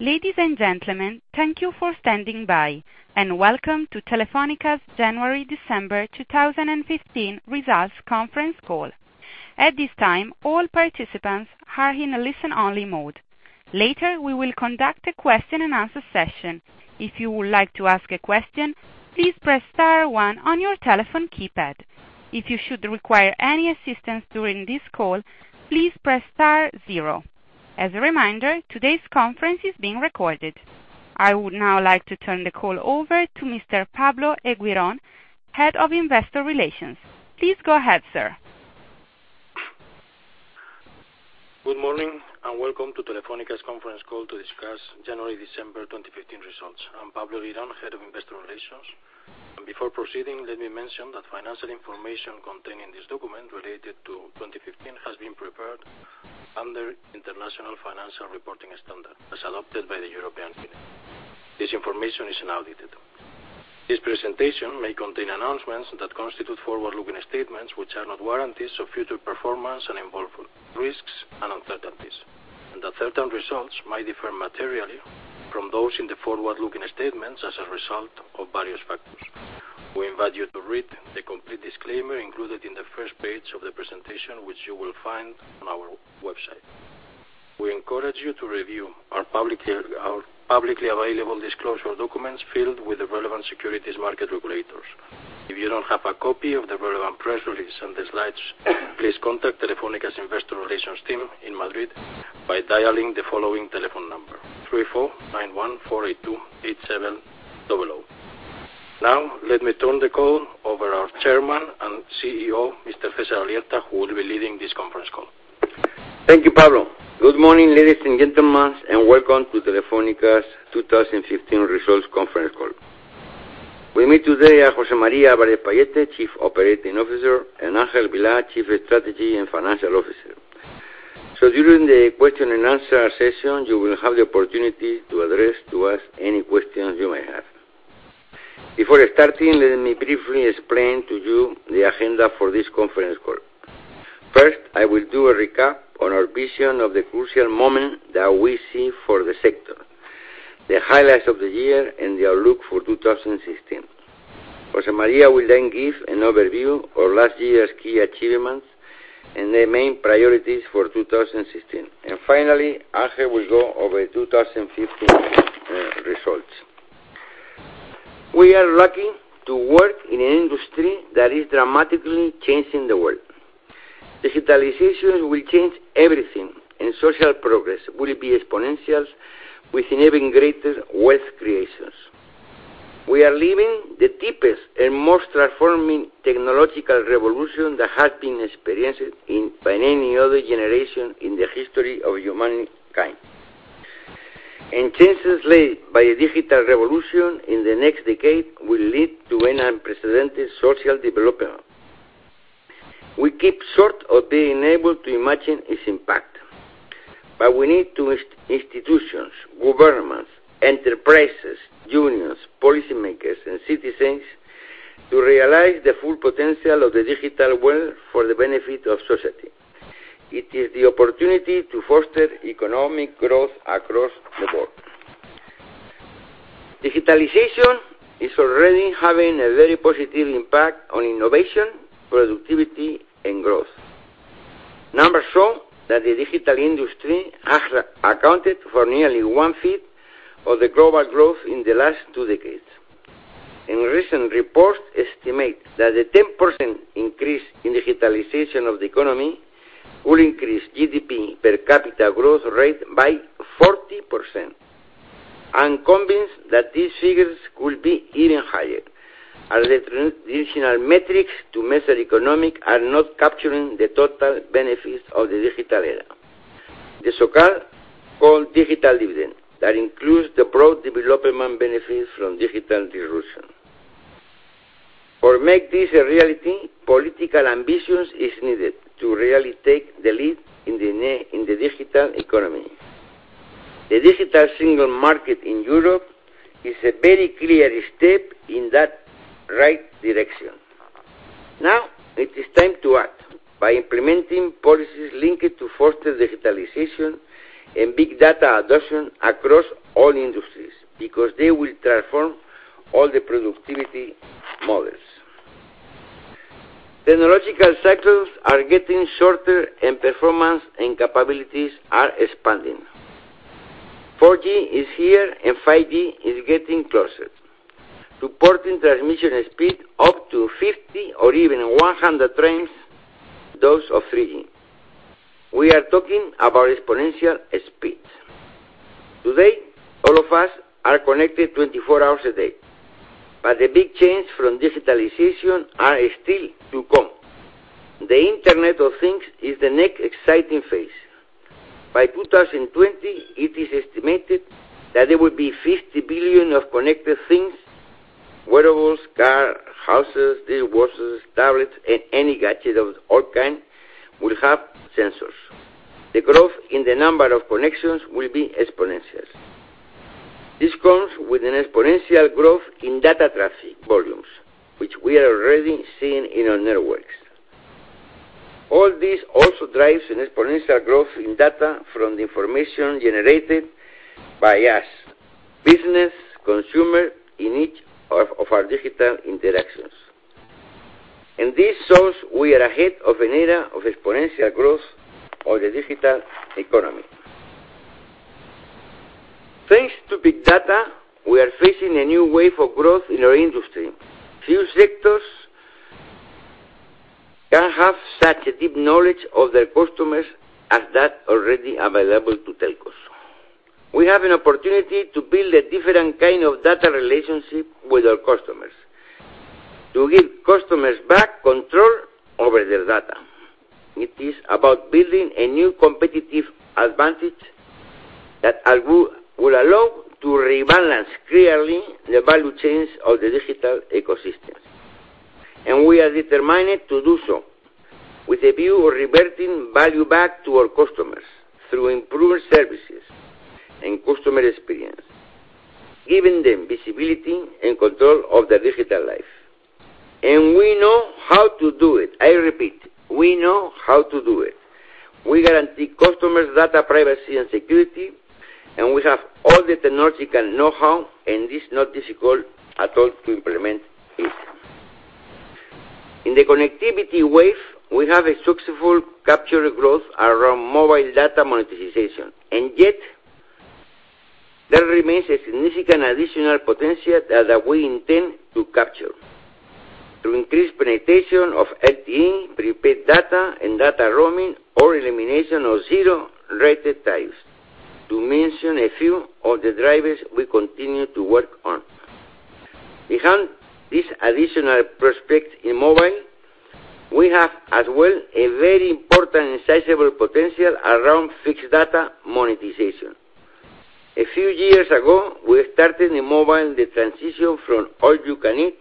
Ladies and gentlemen, thank you for standing by, and welcome to Telefónica's January, December 2015 results conference call. At this time, all participants are in listen only mode. Later, we will conduct a question and answer session. If you would like to ask a question, please press star one on your telephone keypad. If you should require any assistance during this call, please press star zero. As a reminder, today's conference is being recorded. I would now like to turn the call over to Mr. Pablo Eguirón, Head of Investor Relations. Please go ahead, sir. Good morning, and welcome to Telefónica's conference call to discuss January, December 2015 results. I am Pablo Eguirón, Head of Investor Relations. Before proceeding, let me mention that financial information contained in this document related to 2015 has been prepared under International Financial Reporting Standards, as adopted by the European Union. This information is unaudited. This presentation may contain announcements that constitute forward-looking statements which are not guarantees of future performance and involve risks and uncertainties. Certain results might differ materially from those in the forward-looking statements as a result of various factors. We invite you to read the complete disclaimer included in the first page of the presentation, which you will find on our website. We encourage you to review our publicly available disclosure documents filed with the relevant securities market regulators. If you don't have a copy of the relevant press release and the slides, please contact Telefónica's Investor Relations team in Madrid by dialing the following telephone number, 34914828700. Now, let me turn the call over our Chairman and CEO, Mr. César Alierta, who will be leading this conference call. Thank you, Pablo. Good morning, ladies and gentlemen, and welcome to Telefónica's 2015 results conference call. With me today are José María Álvarez-Pallete, Chief Operating Officer, and Ángel Vilá, Chief Strategy and Financial Officer. During the question and answer session, you will have the opportunity to address to us any questions you may have. Before starting, let me briefly explain to you the agenda for this conference call. First, I will do a recap on our vision of the crucial moment that we see for the sector, the highlights of the year, and the outlook for 2016. José María will then give an overview of last year's key achievements and the main priorities for 2016. Finally, Ángel will go over 2015 results. We are lucky to work in an industry that is dramatically changing the world. Digitalization will change everything, social progress will be exponential with even greater wealth creations. We are living the deepest and most transforming technological revolution that has been experienced by any other generation in the history of humankind. Changes led by the digital revolution in the next decade will lead to an unprecedented social development. We keep short of being able to imagine its impact, but we need institutions, governments, enterprises, unions, policymakers, and citizens to realize the full potential of the digital world for the benefit of society. It is the opportunity to foster economic growth across the board. Digitalization is already having a very positive impact on innovation, productivity, and growth. Numbers show that the digital industry has accounted for nearly one-fifth of the global growth in the last 2 decades. Recent reports estimate that a 10% increase in digitalization of the economy will increase GDP per capita growth rate by 40%. I'm convinced that these figures could be even higher, as the traditional metrics to measure economic are not capturing the total benefits of the digital era, the so-called digital dividend, that includes the broad development benefits from digital disruption. To make this a reality, political ambition is needed to really take the lead in the digital economy. The digital single market in Europe is a very clear step in that right direction. Now it is time to act by implementing policies linked to foster digitalization and big data adoption across all industries because they will transform all the productivity models. Technological cycles are getting shorter, and performance and capabilities are expanding. 4G is here, 5G is getting closer, supporting transmission speed up to 50 or even 100 times those of 3G. We are talking about exponential speed. Today, all of us are connected 24 hours a day, the big changes from digitalization are still to come. The Internet of Things is the next exciting phase. By 2020, it is estimated that there will be 50 billion of connected things, wearables, cars, houses, dishwashers, tablets, and any gadget of all kind will have sensors. The growth in the number of connections will be exponential. This comes with an exponential growth in data traffic volumes, which we are already seeing in our networks. All this also drives an exponential growth in data from the information generated by us, business, consumer, in each of our digital interactions. This shows we are ahead of an era of exponential growth of the digital economy. Thanks to big data, we are facing a new wave of growth in our industry. Few sectors can have such a deep knowledge of their customers as that already available to telcos. We have an opportunity to build a different kind of data relationship with our customers. To give customers back control over their data. It is about building a new competitive advantage that will allow to rebalance clearly the value chains of the digital ecosystems. We are determined to do so with a view of reverting value back to our customers through improved services and customer experience, giving them visibility and control of their digital life. We know how to do it. I repeat, we know how to do it. We guarantee customers data privacy and security. We have all the technological know-how, and it's not difficult at all to implement it. In the connectivity wave, we have a successful capture growth around mobile data monetization. Yet, there remains a significant additional potential that we intend to capture. To increase penetration of LTE, prepaid data, and data roaming, or elimination of zero-rated tariffs, to mention a few of the drivers we continue to work on. Behind this additional prospect in mobile, we have as well a very important and sizable potential around fixed data monetization. A few years ago, we started in mobile the transition from all-you-can-eat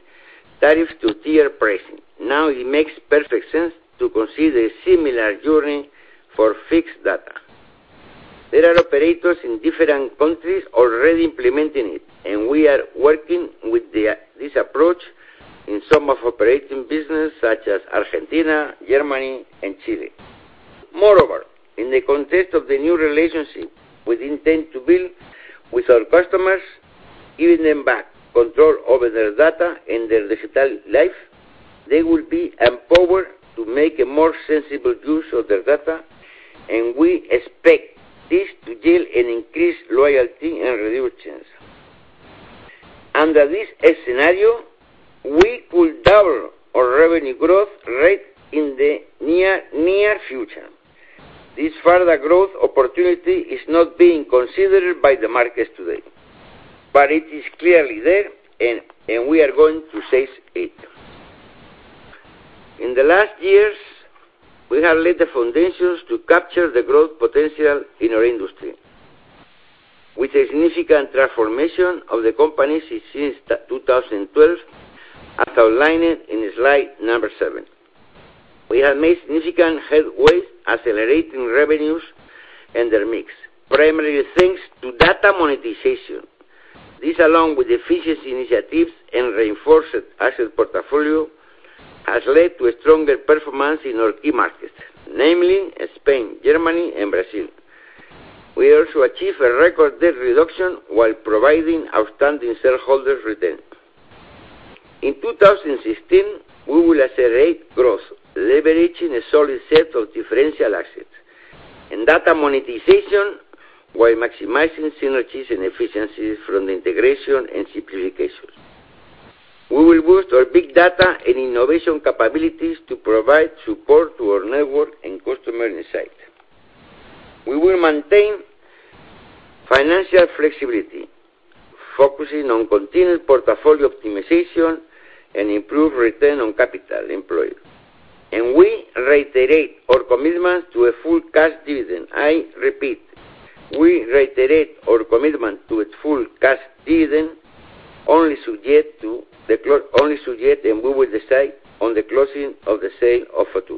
tariffs to tier pricing. Now it makes perfect sense to consider a similar journey for fixed data. There are operators in different countries already implementing it. We are working with this approach in some of operating business such as Argentina, Germany and Chile. In the context of the new relationship we intend to build with our customers, giving them back control over their data and their digital life, they will be empowered to make a more sensible use of their data, and we expect this to yield an increased loyalty and reduced churn. Under this scenario, we could double our revenue growth rate in the near future. This further growth opportunity is not being considered by the market today. It is clearly there, and we are going to seize it. In the last years, we have laid the foundations to capture the growth potential in our industry with a significant transformation of the company since 2012, as outlined in slide number seven. We have made significant headway accelerating revenues and their mix, primarily thanks to data monetization. This, along with efficiency initiatives and reinforced asset portfolio, has led to a stronger performance in our key markets, namely Spain, Germany and Brazil. We also achieved a record debt reduction while providing outstanding shareholder returns. In 2016, we will accelerate growth, leveraging a solid set of differential assets and data monetization while maximizing synergies and efficiencies from the integration and simplifications. We will boost our big data and innovation capabilities to provide support to our network and customer insight. We will maintain financial flexibility, focusing on continued portfolio optimization and improved return on capital employed. We reiterate our commitment to a full cash dividend. I repeat, we reiterate our commitment to a full cash dividend. We will decide on the closing of the sale of O2.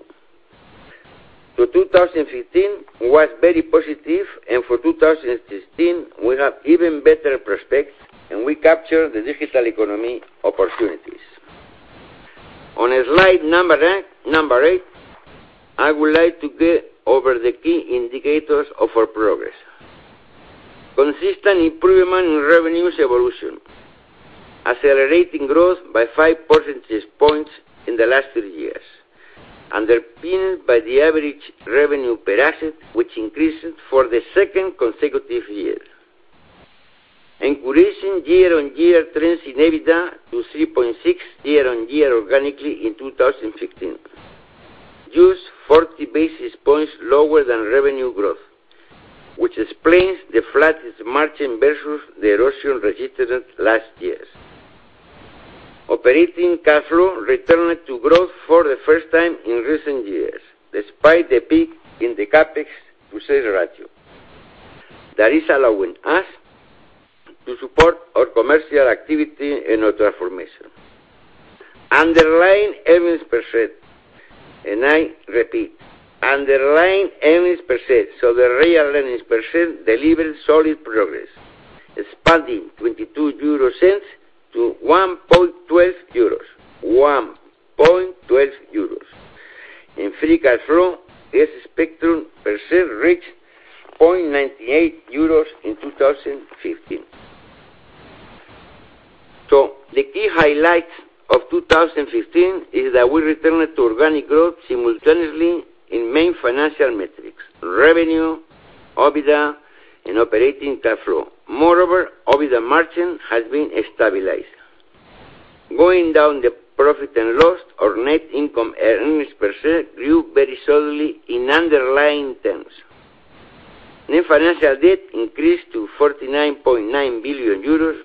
2015 was very positive, and for 2016, we have even better prospects, and we capture the digital economy opportunities. On slide number eight, I would like to go over the key indicators of our progress. Consistent improvement in revenues evolution, accelerating growth by 5 percentage points in the last few years, underpinned by the average revenue per access, which increased for the second consecutive year. Encouraging year-on-year trends in EBITDA to 3.6% year-on-year organically in 2015. Just 40 basis points lower than revenue growth, which explains the flattest margin versus the erosion registered last year. Operating cash flow returned to growth for the first time in recent years, despite the peak in the CapEx to sales ratio. That is allowing us to support our commercial activity and our transformation. Underlying earnings per share. I repeat, underlying earnings per share. The real earnings per share delivered solid progress. Expanding 0.22 to 1.12 euros. 1.12 euros. In free cash flow, this spectrum per share reached 0.98 euros in 2015. The key highlight of 2015 is that we returned to organic growth simultaneously in main financial metrics, revenue, OIBDA, and operating cash flow. Moreover, OIBDA margin has been stabilized. Going down the profit and loss or net income earnings per share grew very solidly in underlying terms. Net financial debt increased to 49.9 billion euros,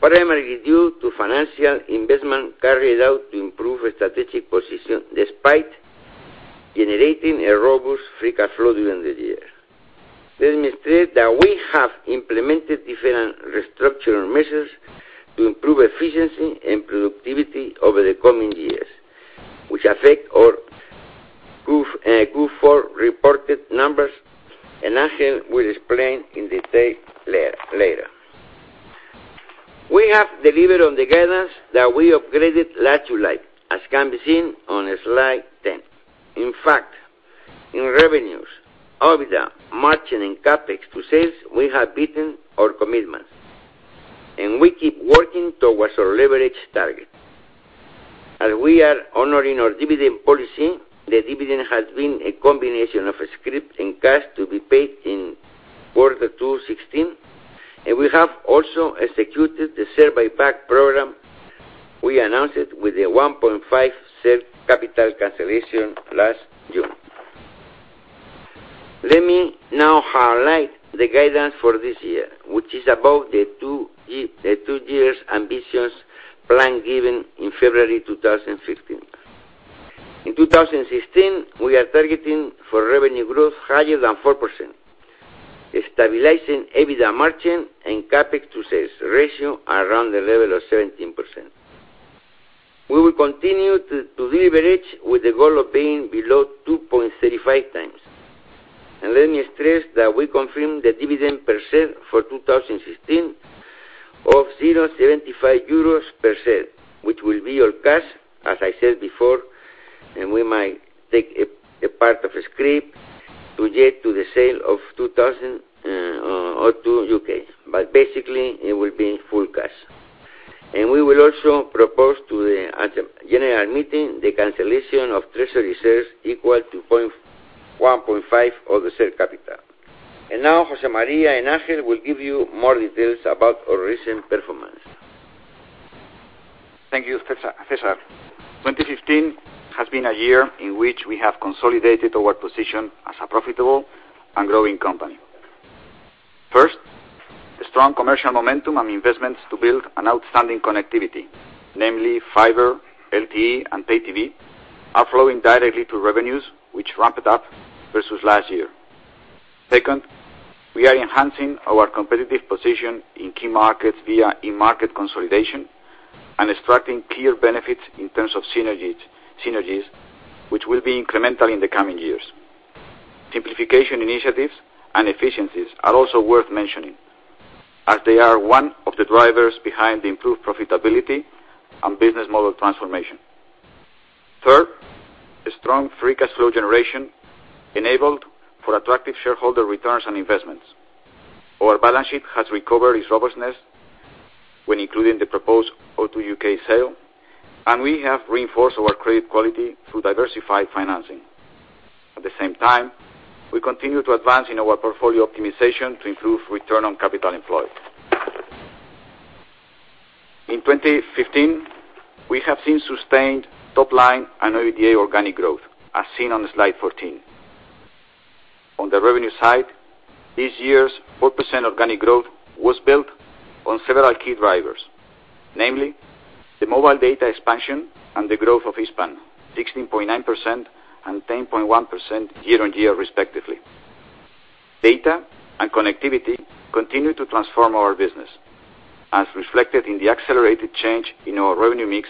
primarily due to financial investment carried out to improve strategic position, despite generating a robust free cash flow during the year. Let me state that we have implemented different structural measures to improve efficiency and productivity over the coming years, which affect our Q4 reported numbers, and Ángel Vilá will explain in detail later. We have delivered on the guidance that we upgraded last July, as can be seen on slide 10. In fact, in revenues, OIBDA, margin, and CapEx to sales, we have beaten our commitments, and we keep working towards our leverage target. As we are honoring our dividend policy, the dividend has been a combination of scrip and cash to be paid in quarter 2016, and we have also executed the share buyback program we announced with the 1.5% share capital cancellation last June. Let me now highlight the guidance for this year, which is about the two years ambitions plan given in February 2015. In 2016, we are targeting for revenue growth higher than 4%, a stabilizing EBITDA margin and CapEx to sales ratio around the level of 17%. We will continue to deleverage with the goal of being below 2.35 times. Let me stress that we confirm the dividend per share for 2016 of EUR 0.75 per share, which will be all cash, as I said before, and we might take a part of scrip subject to the sale of O2 UK. Basically, it will be in full cash. We will also propose to the general meeting the cancellation of treasury shares equal to 1.5% of the share capital. Now José María Álvarez-Pallete and Ángel Vilá will give you more details about our recent performance. Thank you, César Alierta. 2015 has been a year in which we have consolidated our position as a profitable and growing company. First, strong commercial momentum and investments to build an outstanding connectivity, namely fiber, LTE, and Pay TV, are flowing directly to revenues, which ramped up versus last year. Second, we are enhancing our competitive position in key markets via in-market consolidation and extracting clear benefits in terms of synergies, which will be incremental in the coming years. Simplification initiatives and efficiencies are also worth mentioning, as they are one of the drivers behind the improved profitability and business model transformation. Third, a strong free cash flow generation enabled for attractive shareholder returns on investments. Our balance sheet has recovered its robustness when including the proposed O2 UK sale, and we have reinforced our credit quality through diversified financing. At the same time, we continue to advance in our portfolio optimization to improve return on capital employed. In 2015, we have seen sustained top line and OIBDA organic growth, as seen on slide 14. On the revenue side, this year's 4% organic growth was built on several key drivers. Namely, the mobile data expansion and the growth of Hispasat, 16.9% and 10.1% year-on-year, respectively. Data and connectivity continue to transform our business, as reflected in the accelerated change in our revenue mix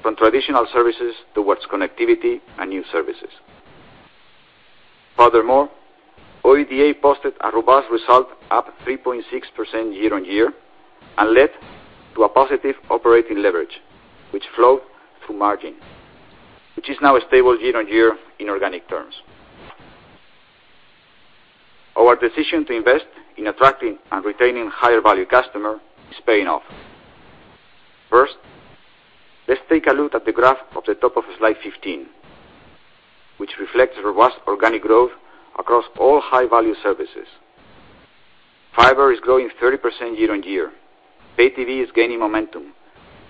from traditional services towards connectivity and new services. Furthermore, OIBDA posted a robust result up 3.6% year-on-year and led to a positive operating leverage, which flowed through margin, which is now stable year-on-year in organic terms. Our decision to invest in attracting and retaining higher value customer is paying off. First, let's take a look at the graph of the top of slide 15, which reflects robust organic growth across all high-value services. Fiber is growing 30% year-on-year. Pay TV is gaining momentum,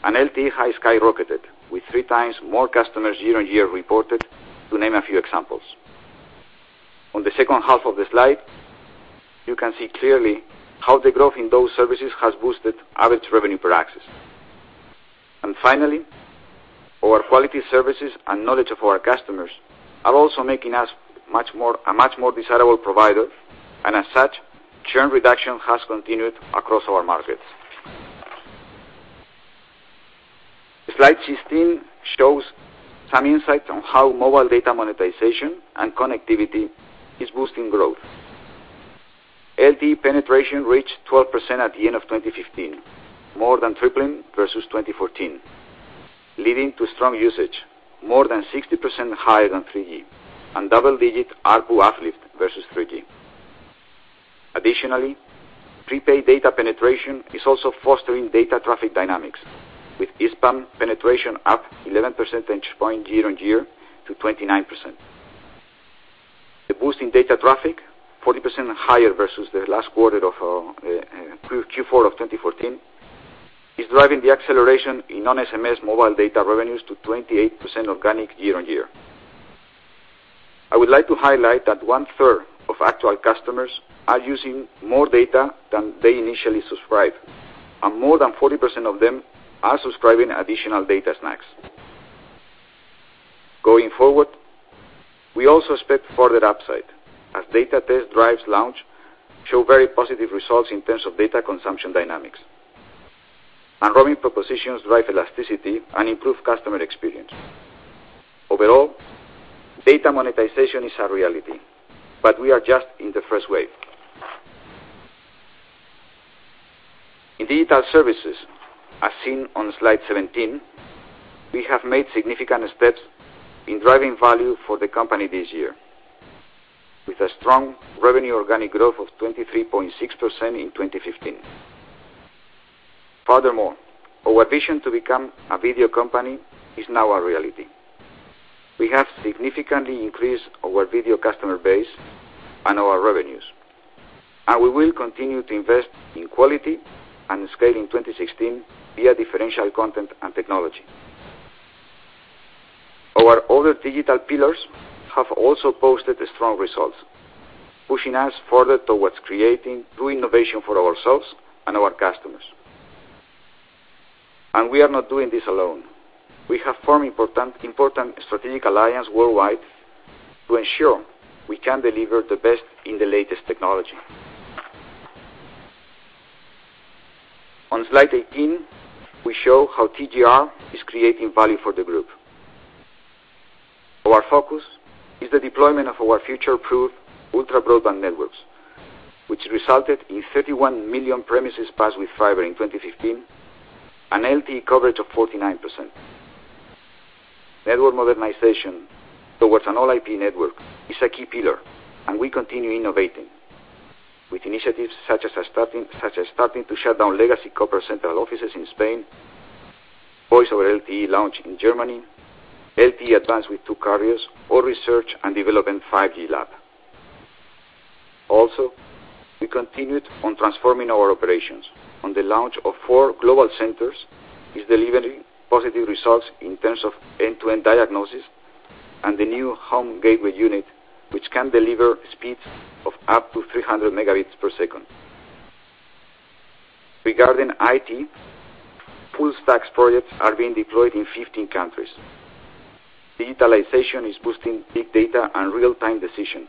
and LTE has skyrocketed, with three times more customers year-on-year reported, to name a few examples. On the second half of the slide, you can see clearly how the growth in those services has boosted average revenue per access. Finally, our quality services and knowledge of our customers are also making us a much more desirable provider, and as such, churn reduction has continued across our markets. Slide 16 shows some insights on how mobile data monetization and connectivity is boosting growth. LTE penetration reached 12% at the end of 2015, more than tripling versus 2014, leading to strong usage, more than 60% higher than 3G, and double-digit ARPU uplift versus 3G. Additionally, prepaid data penetration is also fostering data traffic dynamics, with IP penetration up 11 percentage points year-on-year to 29%. The boost in data traffic, 40% higher versus the last quarter of Q4 of 2014, is driving the acceleration in non-SMS mobile data revenues to 28% organic year-on-year. I would like to highlight that one-third of actual customers are using more data than they initially subscribed, and more than 40% of them are subscribing additional data snacks. Going forward, we also expect further upside as data test drives launch show very positive results in terms of data consumption dynamics, and roaming propositions drive elasticity and improve customer experience. Overall, data monetization is a reality, but we are just in the first wave. In digital services, as seen on Slide 17, we have made significant steps in driving value for the company this year, with a strong revenue organic growth of 23.6% in 2015. Furthermore, our vision to become a video company is now a reality. We have significantly increased our video customer base and our revenues, and we will continue to invest in quality and scale in 2016 via differential content and technology. Our other digital pillars have also posted strong results, pushing us further towards creating true innovation for ourselves and our customers. We are not doing this alone. We have formed important strategic alliance worldwide to ensure we can deliver the best in the latest technology. On Slide 18, we show how TGS is creating value for the group. Our focus is the deployment of our future-proof ultra-broadband networks, which resulted in 31 million premises passed with fiber in 2015, and LTE coverage of 49%. Network modernization towards an all-IP network is a key pillar. We continue innovating with initiatives such as starting to shut down legacy copper central offices in Spain, Voice over LTE launch in Germany, LTE Advanced with two carriers or research and development 5G lab. Also, we continued on transforming our operations on the launch of four global centers is delivering positive results in terms of end-to-end diagnosis and the new home gateway unit, which can deliver speeds of up to 300 megabits per second. Regarding IT, full-stack projects are being deployed in 15 countries. Digitalization is boosting big data and real-time decision,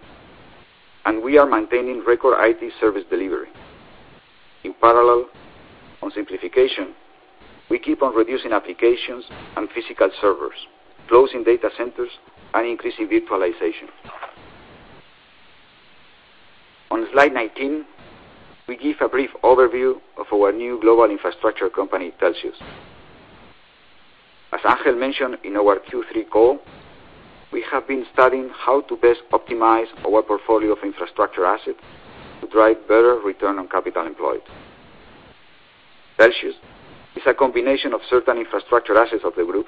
and we are maintaining record IT service delivery. In parallel, on simplification, we keep on reducing applications and physical servers, closing data centers, and increasing virtualization. On Slide 19, we give a brief overview of our new global infrastructure company, Telxius. As Ángel mentioned in our Q3 call, we have been studying how to best optimize our portfolio of infrastructure assets to drive better return on capital employed. Telxius is a combination of certain infrastructure assets of the group,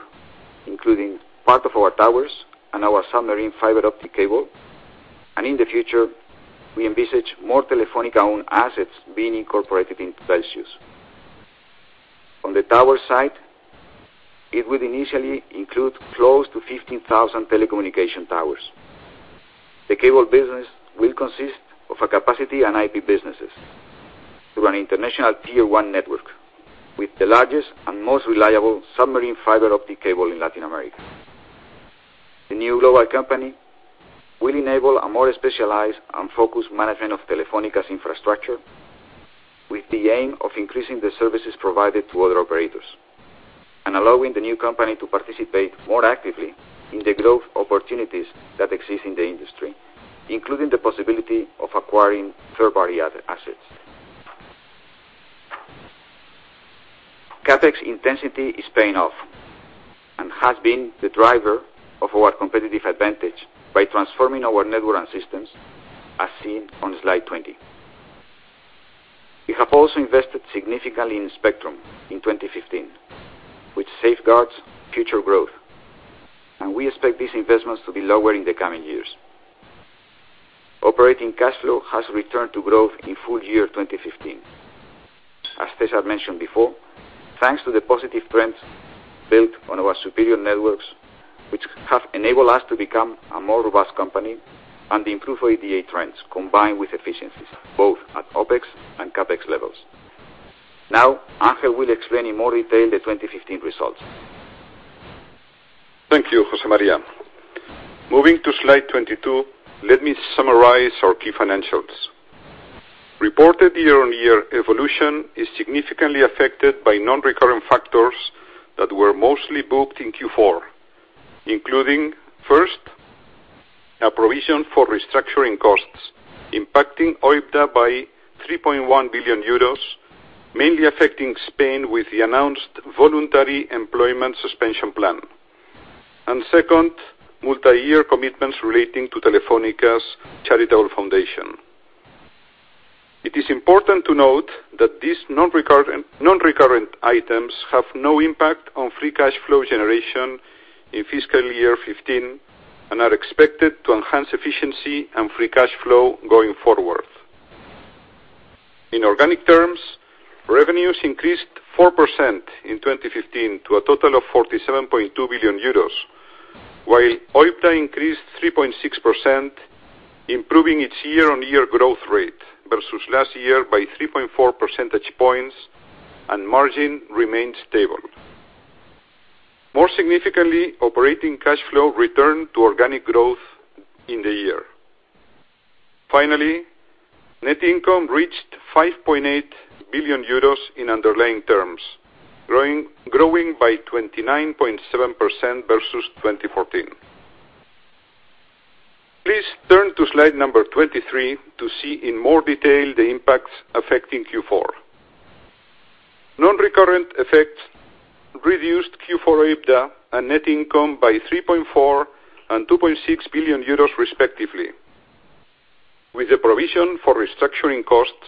including part of our towers and our submarine fiber optic cable. In the future, we envisage more Telefónica-owned assets being incorporated into Telxius. On the tower side, it would initially include close to 15,000 telecommunication towers. The cable business will consist of a capacity and IP businesses through an international Tier 1 network with the largest and most reliable submarine fiber optic cable in Latin America. The new global company will enable a more specialized and focused management of Telefónica's infrastructure, with the aim of increasing the services provided to other operators and allowing the new company to participate more actively in the growth opportunities that exist in the industry, including the possibility of acquiring third-party assets. CapEx intensity is paying off and has been the driver of our competitive advantage by transforming our network and systems as seen on Slide 20. We have also invested significantly in Spectrum in 2015, which safeguards future growth. We expect these investments to be lower in the coming years. Operating cash flow has returned to growth in full year 2015. As César mentioned before, thanks to the positive trends built on our superior networks, which have enabled us to become a more robust company and improve OIBDA trends combined with efficiencies both at OpEx and CapEx levels. Now, Ángel will explain in more detail the 2015 results. Thank you, José María. Moving to slide 22, let me summarize our key financial data. Reported year-on-year evolution is significantly affected by non-recurrent factors that were mostly booked in Q4, including first, a provision for restructuring costs impacting OIBDA by 3.1 billion euros, mainly affecting Spain with the announced voluntary employment suspension plan. Second, multi-year commitments relating to Telefónica's charitable foundation. It is important to note that these non-recurrent items have no impact on free cash flow generation in fiscal year 2015 and are expected to enhance efficiency and free cash flow going forward. In organic terms, revenues increased 4% in 2015 to a total of 47.2 billion euros, while OIBDA increased 3.6%, improving its year-on-year growth rate versus last year by 3.4 percentage points and margin remained stable. More significantly, operating cash flow returned to organic growth in the year. Finally, net income reached 5.8 billion euros in underlying terms, growing by 29.7% versus 2014. Please turn to slide 23 to see in more detail the impacts affecting Q4. Non-recurrent effects reduced Q4 OIBDA and net income by 3.4 billion and 2.6 billion euros respectively, with the provision for restructuring costs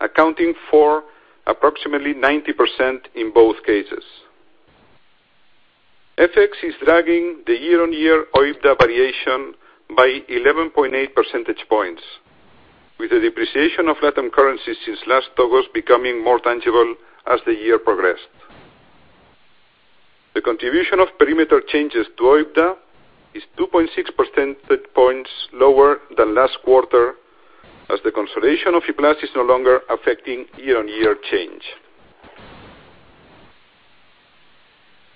accounting for approximately 90% in both cases. FX is dragging the year-on-year OIBDA variation by 11.8 percentage points, with the depreciation of LatAm currencies since last August becoming more tangible as the year progressed. The contribution of perimeter changes to OIBDA is 2.6 percentage points lower than last quarter, as the consolidation of E-Plus is no longer affecting year-on-year change.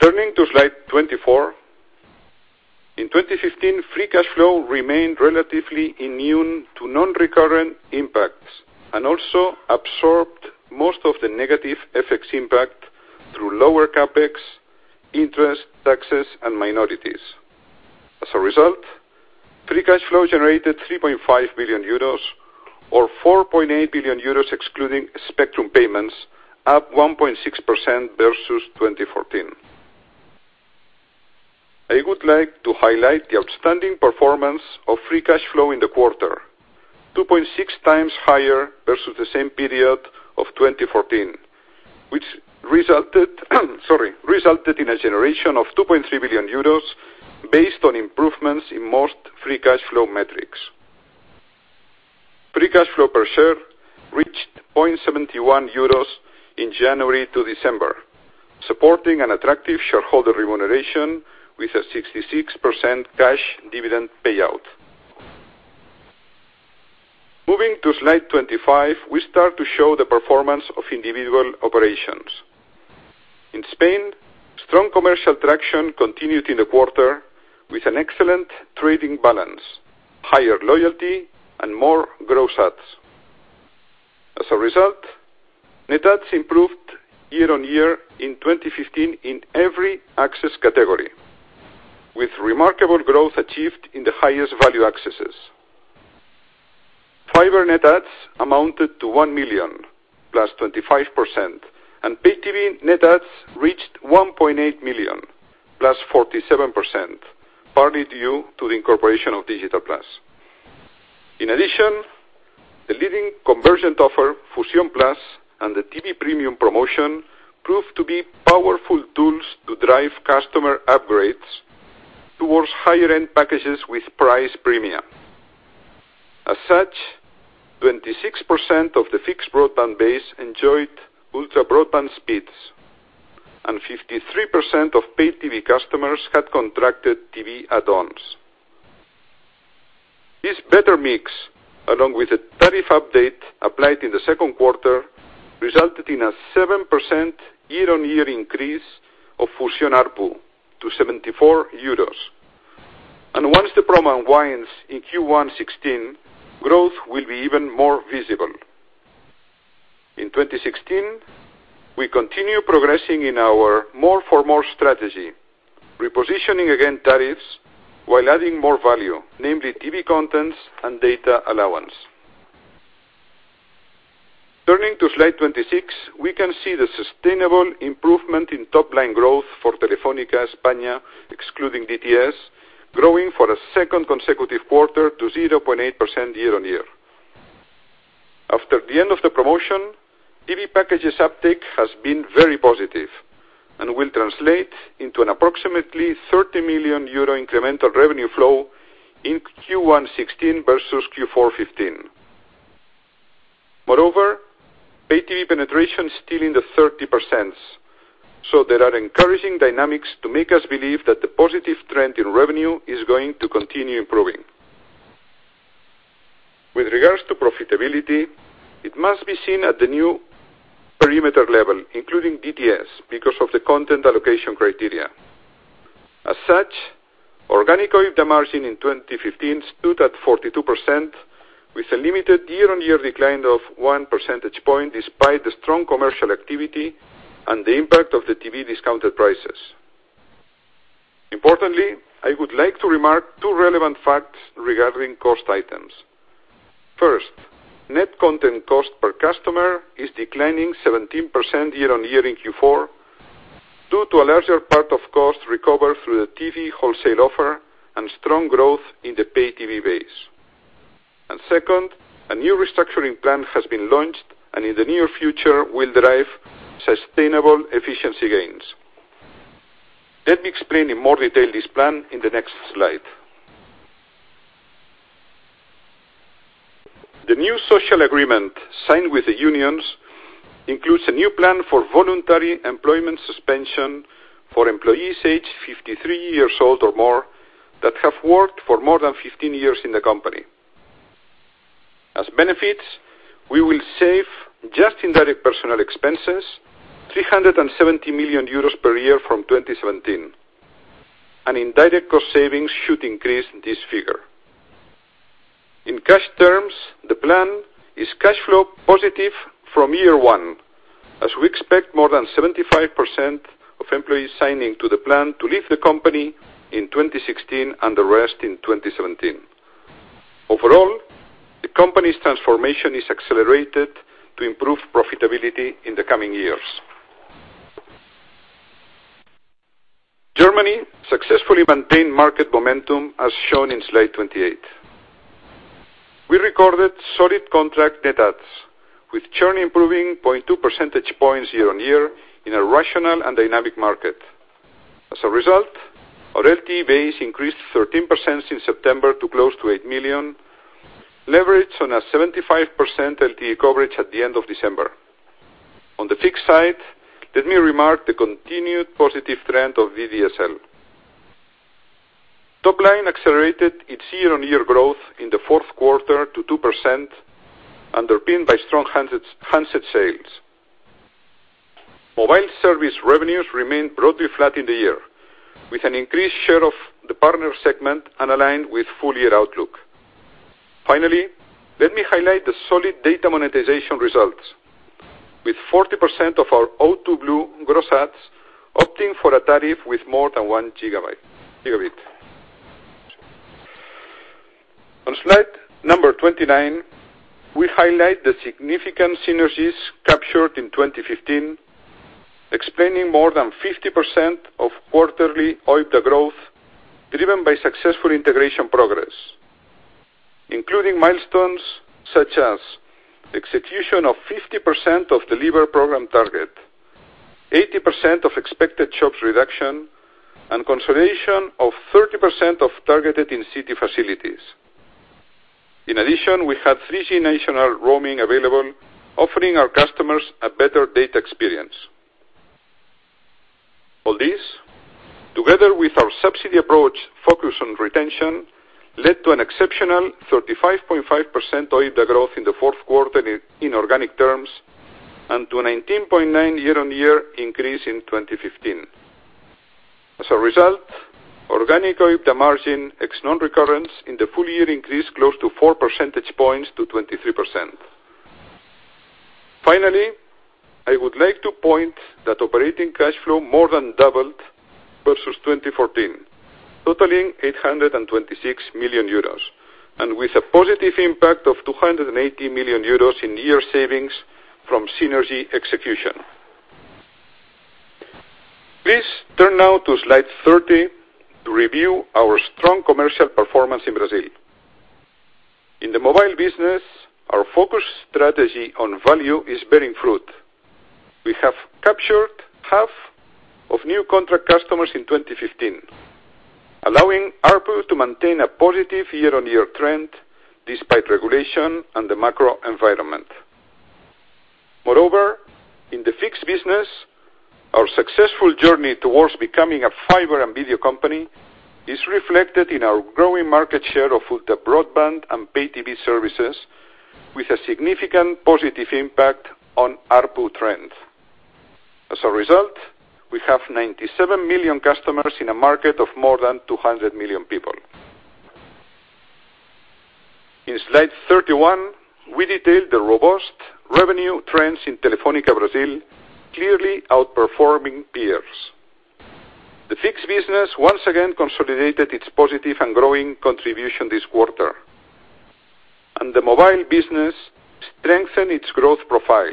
Turning to slide 24. In 2015, free cash flow remained relatively immune to non-recurrent impacts and also absorbed most of the negative FX impact through lower CapEx, interest, taxes, and minorities. As a result, free cash flow generated 3.5 billion euros or 4.8 billion euros excluding spectrum payments, up 1.6% versus 2014. I would like to highlight the outstanding performance of free cash flow in the quarter, 2.6 times higher versus the same period of 2014, which resulted in a generation of 2.3 billion euros based on improvements in most free cash flow metrics. Free cash flow per share reached 0.71 euros in January to December, supporting an attractive shareholder remuneration with a 66% cash dividend payout. Moving to slide 25, we start to show the performance of individual operations. In Spain, strong commercial traction continued in the quarter with an excellent trading balance, higher loyalty, and more gross adds. As a result, net adds improved year-on-year in 2015 in every access category, with remarkable growth achieved in the highest value accesses. Fiber net adds amounted to 1 million, plus 25%, and Pay TV net adds reached 1.8 million, plus 47%, partly due to the incorporation of Digital+. In addition, the leading convergent offer, Fusión Plus, and the TV premium promotion proved to be powerful tools to drive customer upgrades towards higher-end packages with price premia. As such, 26% of the fixed broadband base enjoyed ultra-broadband speeds, and 53% of Pay TV customers had contracted TV add-ons. This better mix, along with the tariff update applied in the second quarter, resulted in a 7% year-on-year increase of Fusión ARPU to 74 euros. Once the promo unwinds in Q1 2016, growth will be even more visible. In 2016, we continue progressing in our more for more strategy, repositioning again tariffs while adding more value, namely TV contents and data allowance. Turning to slide 26, we can see the sustainable improvement in top-line growth for Telefónica España, excluding DTS, growing for a second consecutive quarter to 0.8% year-on-year. After the end of the promotion, TV packages uptake has been very positive and will translate into an approximately 30 million euro incremental revenue flow in Q1 2016 versus Q4 2015. Moreover, Pay TV penetration is still in the 30%, so there are encouraging dynamics to make us believe that the positive trend in revenue is going to continue improving. With regards to profitability, it must be seen at the new perimeter level, including DTS, because of the content allocation criteria. As such, organic OIBDA margin in 2015 stood at 42%, with a limited year-on-year decline of one percentage point, despite the strong commercial activity and the impact of the TV discounted prices. Importantly, I would like to remark two relevant facts regarding cost items. First, net content cost per customer is declining 17% year-on-year in Q4, due to a larger part of cost recovered through the TV wholesale offer and strong growth in the pay TV base. Second, a new restructuring plan has been launched, and in the near future will derive sustainable efficiency gains. Let me explain in more detail this plan in the next slide. The new social agreement signed with the unions includes a new plan for voluntary employment suspension for employees aged 53 years old or more that have worked for more than 15 years in the company. As benefits, we will save, just in direct personal expenses, 370 million euros per year from 2017, and indirect cost savings should increase this figure. In cash terms, the plan is cash flow positive from year one, as we expect more than 75% of employees signing to the plan to leave the company in 2016, and the rest in 2017. Overall, the company's transformation is accelerated to improve profitability in the coming years. Germany successfully maintained market momentum as shown in slide 28. We recorded solid contract net adds, with churn improving 0.2 percentage points year-on-year in a rational and dynamic market. As a result, our LTE base increased 13% since September to close to 8 million, leveraged on a 75% LTE coverage at the end of December. On the fixed side, let me remark the continued positive trend of VDSL. Top line accelerated its year-on-year growth in the fourth quarter to 2%, underpinned by strong handset sales. Mobile service revenues remained broadly flat in the year, with an increased share of the partner segment and aligned with full-year outlook. Finally, let me highlight the solid data monetization results, with 40% of our O2 Blue gross adds opting for a tariff with more than one gigabit. On slide number 29, we highlight the significant synergies captured in 2015, explaining more than 50% of quarterly OIBDA growth, driven by successful integration progress. Including milestones such as execution of 50% of the leaver program target, 80% of expected shops reduction, and consolidation of 30% of targeted in-city facilities. In addition, we had 3G national roaming available, offering our customers a better data experience. All this, together with our subsidy approach focused on retention, led to an exceptional 35.5% OIBDA growth in the fourth quarter in organic terms, and to a 19.9% year-on-year increase in 2015. As a result, organic OIBDA margin ex non-recurrents in the full year increased close to four percentage points to 23%. Finally, I would like to point that operating cash flow more than doubled versus 2014, totaling 826 million euros, and with a positive impact of 280 million euros in year savings from synergy execution. Please turn now to slide 30 to review our strong commercial performance in Brazil. In the mobile business, our focused strategy on value is bearing fruit. We have captured half of new contract customers in 2015, allowing ARPU to maintain a positive year-on-year trend despite regulation and the macro environment. Moreover, in the fixed business, our successful journey towards becoming a fiber and video company is reflected in our growing market share of ultra-broadband and pay TV services, with a significant positive impact on ARPU trend. As a result, we have 97 million customers in a market of more than 200 million people. In slide 31, we detail the robust revenue trends in Telefónica Brasil, clearly outperforming peers. The fixed business once again consolidated its positive and growing contribution this quarter. The mobile business strengthened its growth profile,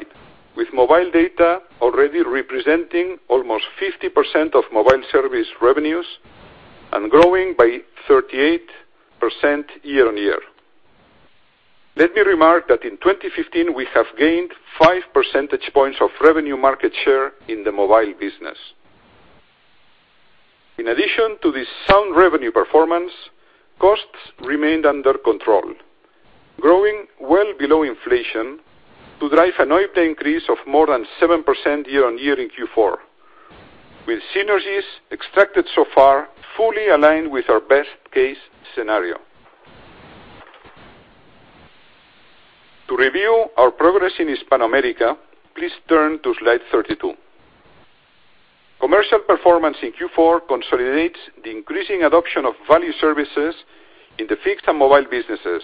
with mobile data already representing almost 50% of mobile service revenues and growing by 38% year-on-year. Let me remark that in 2015, we have gained five percentage points of revenue market share in the mobile business. In addition to this sound revenue performance, costs remained under control, growing well below inflation to drive an OIBDA increase of more than 7% year-on-year in Q4, with synergies extracted so far fully aligned with our best-case scenario. To review our progress in Hispanoamérica, please turn to slide 32. Commercial performance in Q4 consolidates the increasing adoption of value services in the fixed and mobile businesses,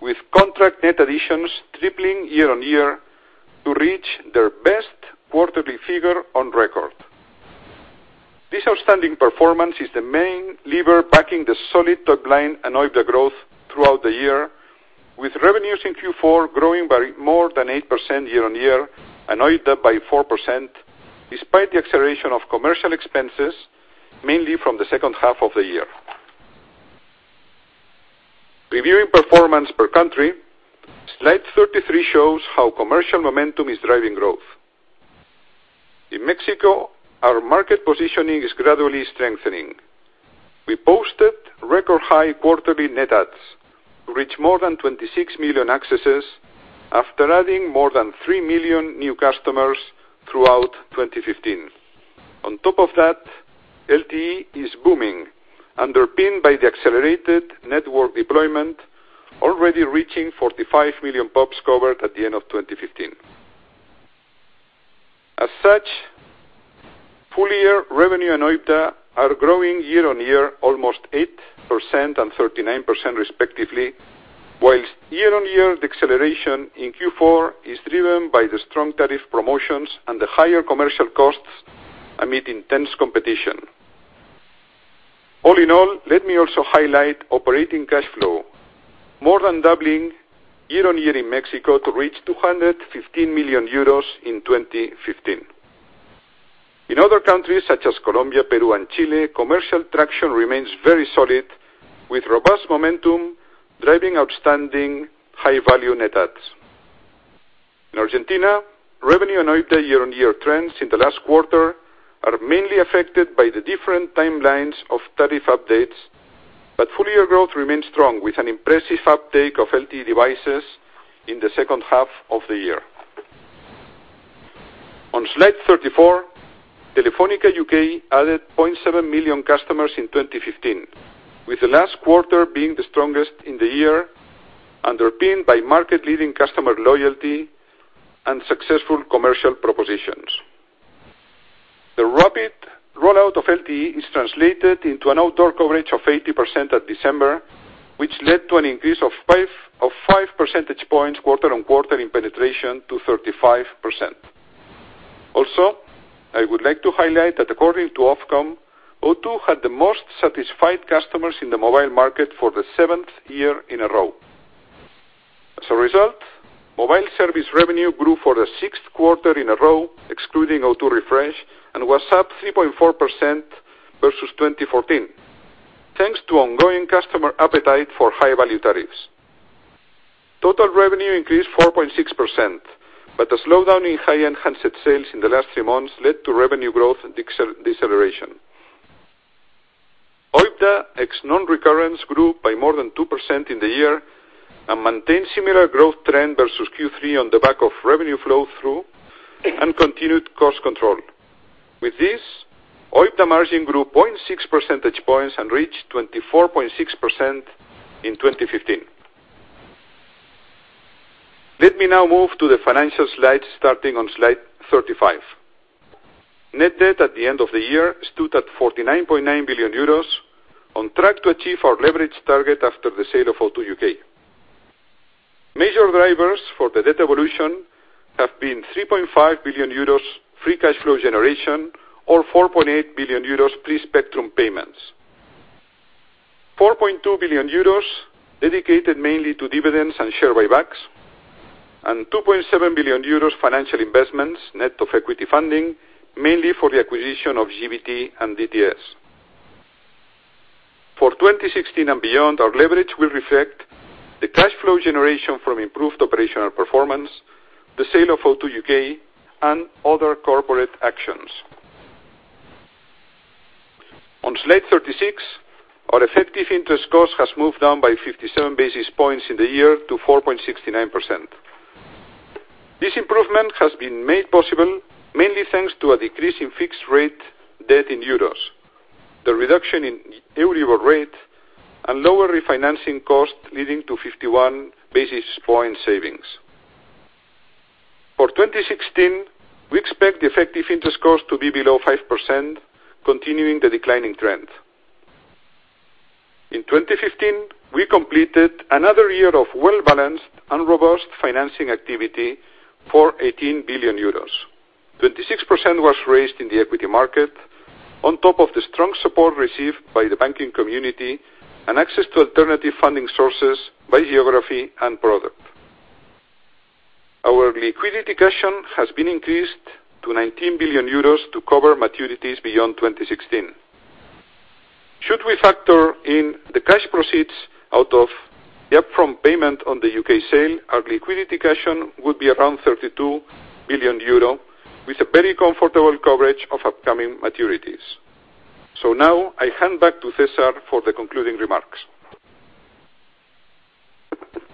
with contract net additions tripling year-on-year to reach their best quarterly figure on record. This outstanding performance is the main lever backing the solid top line and OIBDA growth throughout the year, with revenues in Q4 growing by more than 8% year-on-year and OIBDA by 4%, despite the acceleration of commercial expenses, mainly from the second half of the year. Reviewing performance per country, slide 33 shows how commercial momentum is driving growth. In Mexico, our market positioning is gradually strengthening. We posted record high quarterly net adds to reach more than 26 million accesses after adding more than 3 million new customers throughout 2015. On top of that, LTE is booming, underpinned by the accelerated network deployment, already reaching 45 million pops covered at the end of 2015. As such, full-year revenue and OIBDA are growing year-on-year almost 8% and 39% respectively, whilst year-on-year, the acceleration in Q4 is driven by the strong tariff promotions and the higher commercial costs amid intense competition. All in all, let me also highlight operating cash flow, more than doubling year-on-year in Mexico to reach 215 million euros in 2015. In other countries such as Colombia, Peru, and Chile, commercial traction remains very solid, with robust momentum driving outstanding high-value net adds. In Argentina, revenue and OIBDA year-on-year trends in the last quarter are mainly affected by the different timelines of tariff updates, but full-year growth remains strong with an impressive uptake of LTE devices in the second half of the year. On slide 34, Telefónica UK added 0.7 million customers in 2015, with the last quarter being the strongest in the year, underpinned by market-leading customer loyalty and successful commercial propositions. The rapid rollout of LTE is translated into an outdoor coverage of 80% at December, which led to an increase of five percentage points quarter-on-quarter in penetration to 35%. Also, I would like to highlight that according to Ofcom, O2 had the most satisfied customers in the mobile market for the seventh year in a row. As a result, mobile service revenue grew for the sixth quarter in a row, excluding O2 Refresh, and was up 3.4% versus 2014, thanks to ongoing customer appetite for high-value tariffs. Total revenue increased 4.6%, but a slowdown in high-end handset sales in the last three months led to revenue growth deceleration. OIBDA ex non-recurrence grew by more than 2% in the year and maintained similar growth trend versus Q3 on the back of revenue flow-through and continued cost control. With this, OIBDA margin grew 0.6 percentage points and reached 24.6% in 2015. Let me now move to the financial slides, starting on slide 35. Net debt at the end of the year stood at 49.9 billion euros, on track to achieve our leverage target after the sale of O2 UK. Major drivers for the debt evolution have been 3.5 billion euros free cash flow generation or 4.8 billion euros pre-spectrum payments, 4.2 billion euros dedicated mainly to dividends and share buybacks, and 2.7 billion euros financial investments net of equity funding, mainly for the acquisition of GVT and DTS. For 2016 and beyond, our leverage will reflect the cash flow generation from improved operational performance, the sale of O2 UK, and other corporate actions. On slide 36, our effective interest cost has moved down by 57 basis points in the year to 4.69%. This improvement has been made possible mainly thanks to a decrease in fixed rate debt in euros, the reduction in EURIBOR rate, and lower refinancing costs, leading to 51 basis point savings. For 2016, we expect the effective interest cost to be below 5%, continuing the declining trend. In 2015, we completed another year of well-balanced and robust financing activity for 18 billion euros. 26% was raised in the equity market on top of the strong support received by the banking community and access to alternative funding sources by geography and product. Our liquidity cushion has been increased to 19 billion euros to cover maturities beyond 2016. Should we factor in the cash proceeds out of the upfront payment on the U.K. sale, our liquidity cushion would be around 32 billion euro, with a very comfortable coverage of upcoming maturities. Now I hand back to César for the concluding remarks.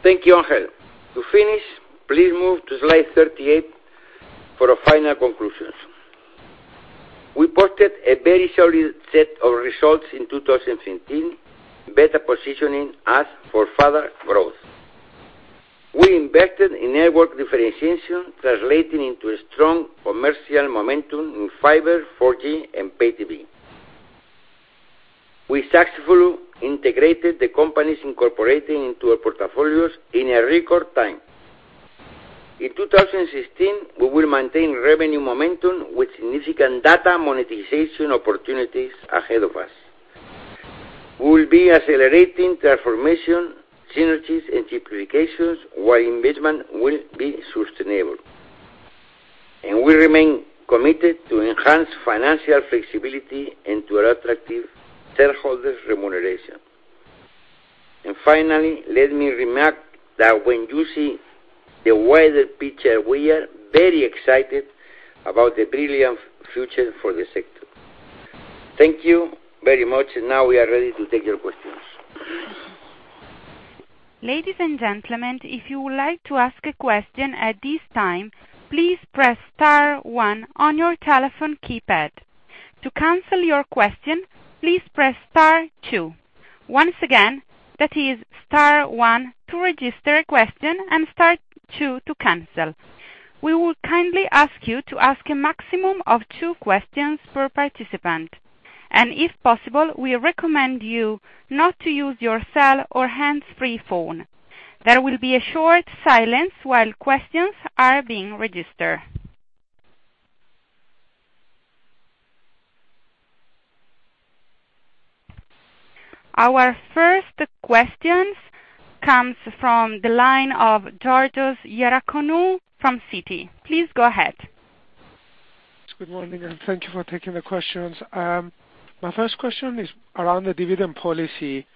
Thank you, Ángel. To finish, please move to slide 38 for our final conclusions We posted a very solid set of results in 2015, better positioning us for further growth. We invested in network differentiation, translating into a strong commercial momentum in fiber, 4G, and pay TV. We successfully integrated the companies incorporating into our portfolios in a record time. In 2016, we will maintain revenue momentum with significant data monetization opportunities ahead of us. We will be accelerating transformation, synergies, and simplifications, while investment will be sustainable. We remain committed to enhance financial flexibility into our attractive shareholders' remuneration. Finally, let me remark that when you see the wider picture, we are very excited about the brilliant future for the sector. Thank you very much. Now we are ready to take your questions. Ladies and gentlemen, if you would like to ask a question at this time, please press star one on your telephone keypad. To cancel your question, please press star two. Once again, that is star one to register a question and star two to cancel. We will kindly ask you to ask a maximum of two questions per participant. If possible, we recommend you not to use your cell or hands-free phone. There will be a short silence while questions are being registered. Our first question comes from the line of Georgios Ierodiaconou from Citi. Please go ahead. Good morning. Thank you for taking the questions. My first question is around the dividend policy.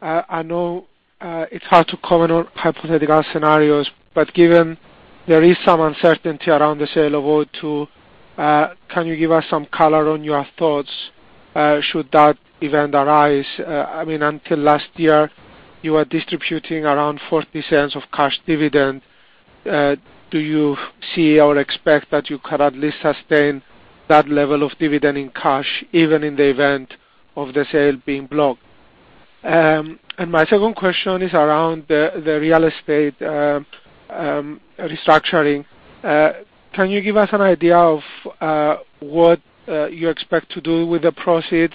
I know it's hard to comment on hypothetical scenarios, but given there is some uncertainty around the sale of O2, can you give us some color on your thoughts should that event arise? Until last year, you were distributing around 0.40 of cash dividend. Do you see or expect that you could at least sustain that level of dividend in cash, even in the event of the sale being blocked? My second question is around the real estate restructuring. Can you give us an idea of what you expect to do with the proceeds?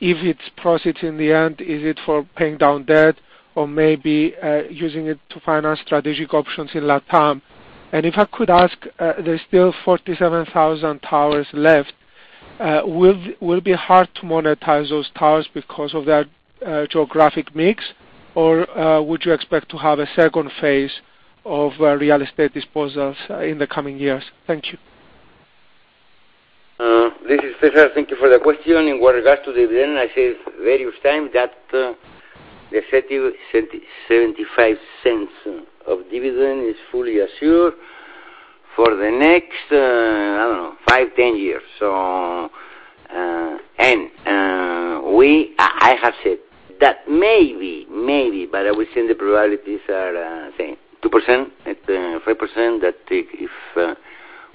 If it's proceeds in the end, is it for paying down debt or maybe using it to finance strategic options in LatAm? If I could ask, there's still 47,000 towers left. Will it be hard to monetize those towers because of their geographic mix, or would you expect to have a second phase of real estate disposals in the coming years? Thank you. This is César. Thank you for the question. In what regards to dividend, I said various time that the 0.75 of dividend is fully assured for the next, I don't know, five, 10 years. I have said that maybe, but I will say the probabilities are, say, 2%, 3%, that if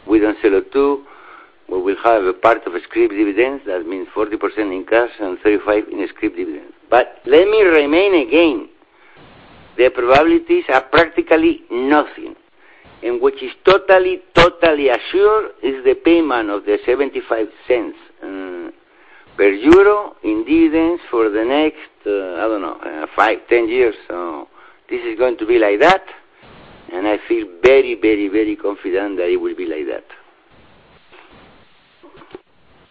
we don't sell O2, we will have a part of scrip dividends. That means 40% in cash and 35% in scrip dividends. Let me remind again, the probabilities are practically nothing. What is totally assured is the payment of the 0.75 per euro in dividends for the next, I don't know, five, 10 years. This is going to be like that, and I feel very confident that it will be like that.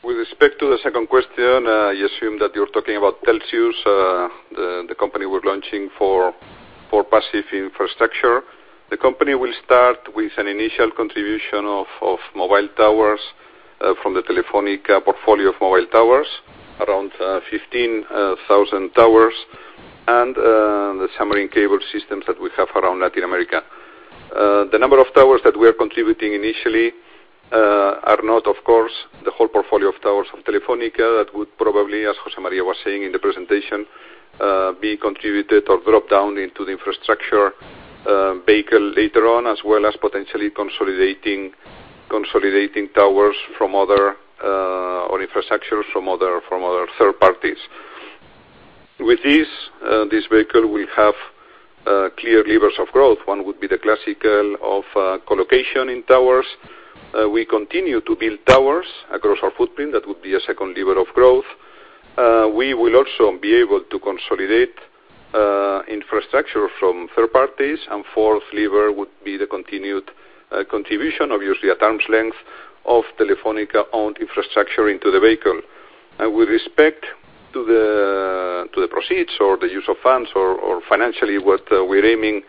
With respect to the second question, I assume that you're talking about Telxius, the company we're launching for passive infrastructure. The company will start with an initial contribution of mobile towers from the Telefónica portfolio of mobile towers, around 15,000 towers, and the submarine cable systems that we have around Latin America. The number of towers that we are contributing initially are not, of course, the whole portfolio of towers from Telefónica. That would probably, as José María was saying in the presentation, be contributed or dropped down into the infrastructure vehicle later on, as well as potentially consolidating towers or infrastructure from other third parties. With this vehicle will have clear levers of growth. One would be the classical of co-location in towers. We continue to build towers across our footprint. That would be a second lever of growth. We will also be able to consolidate infrastructure from third parties. Fourth lever would be the continued contribution, obviously, at arm's length of Telefónica-owned infrastructure into the vehicle. With respect to the proceeds or the use of funds or financially, what we're aiming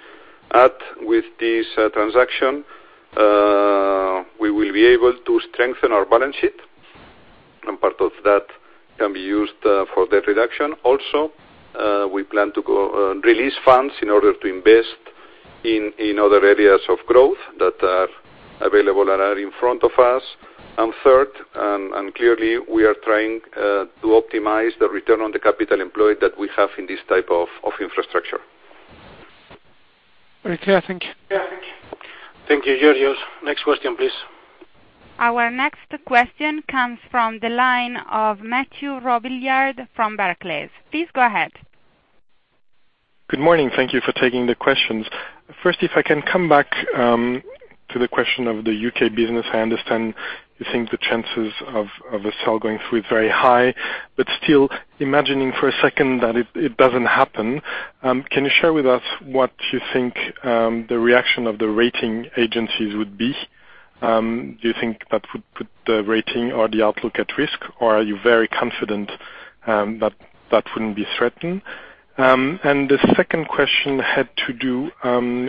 at with this transaction, we will be able to strengthen our balance sheet, and part of that can be used for debt reduction. Also, we plan to release funds in order to invest in other areas of growth that are available and are in front of us. Third, clearly, we are trying to optimize the return on the capital employed that we have in this type of infrastructure. Very clear. Thank you. Thank you, Georgios. Next question, please. Our next question comes from the line of Mathieu Robilliard from Barclays. Please go ahead. Good morning. Thank you for taking the questions. First, if I can come back to the question of the U.K. business. I understand you think the chances of a sale going through is very high. Still, imagining for a second that it doesn't happen, can you share with us what you think the reaction of the rating agencies would be? Do you think that would put the rating or the outlook at risk, or are you very confident that wouldn't be threatened? The second question had to do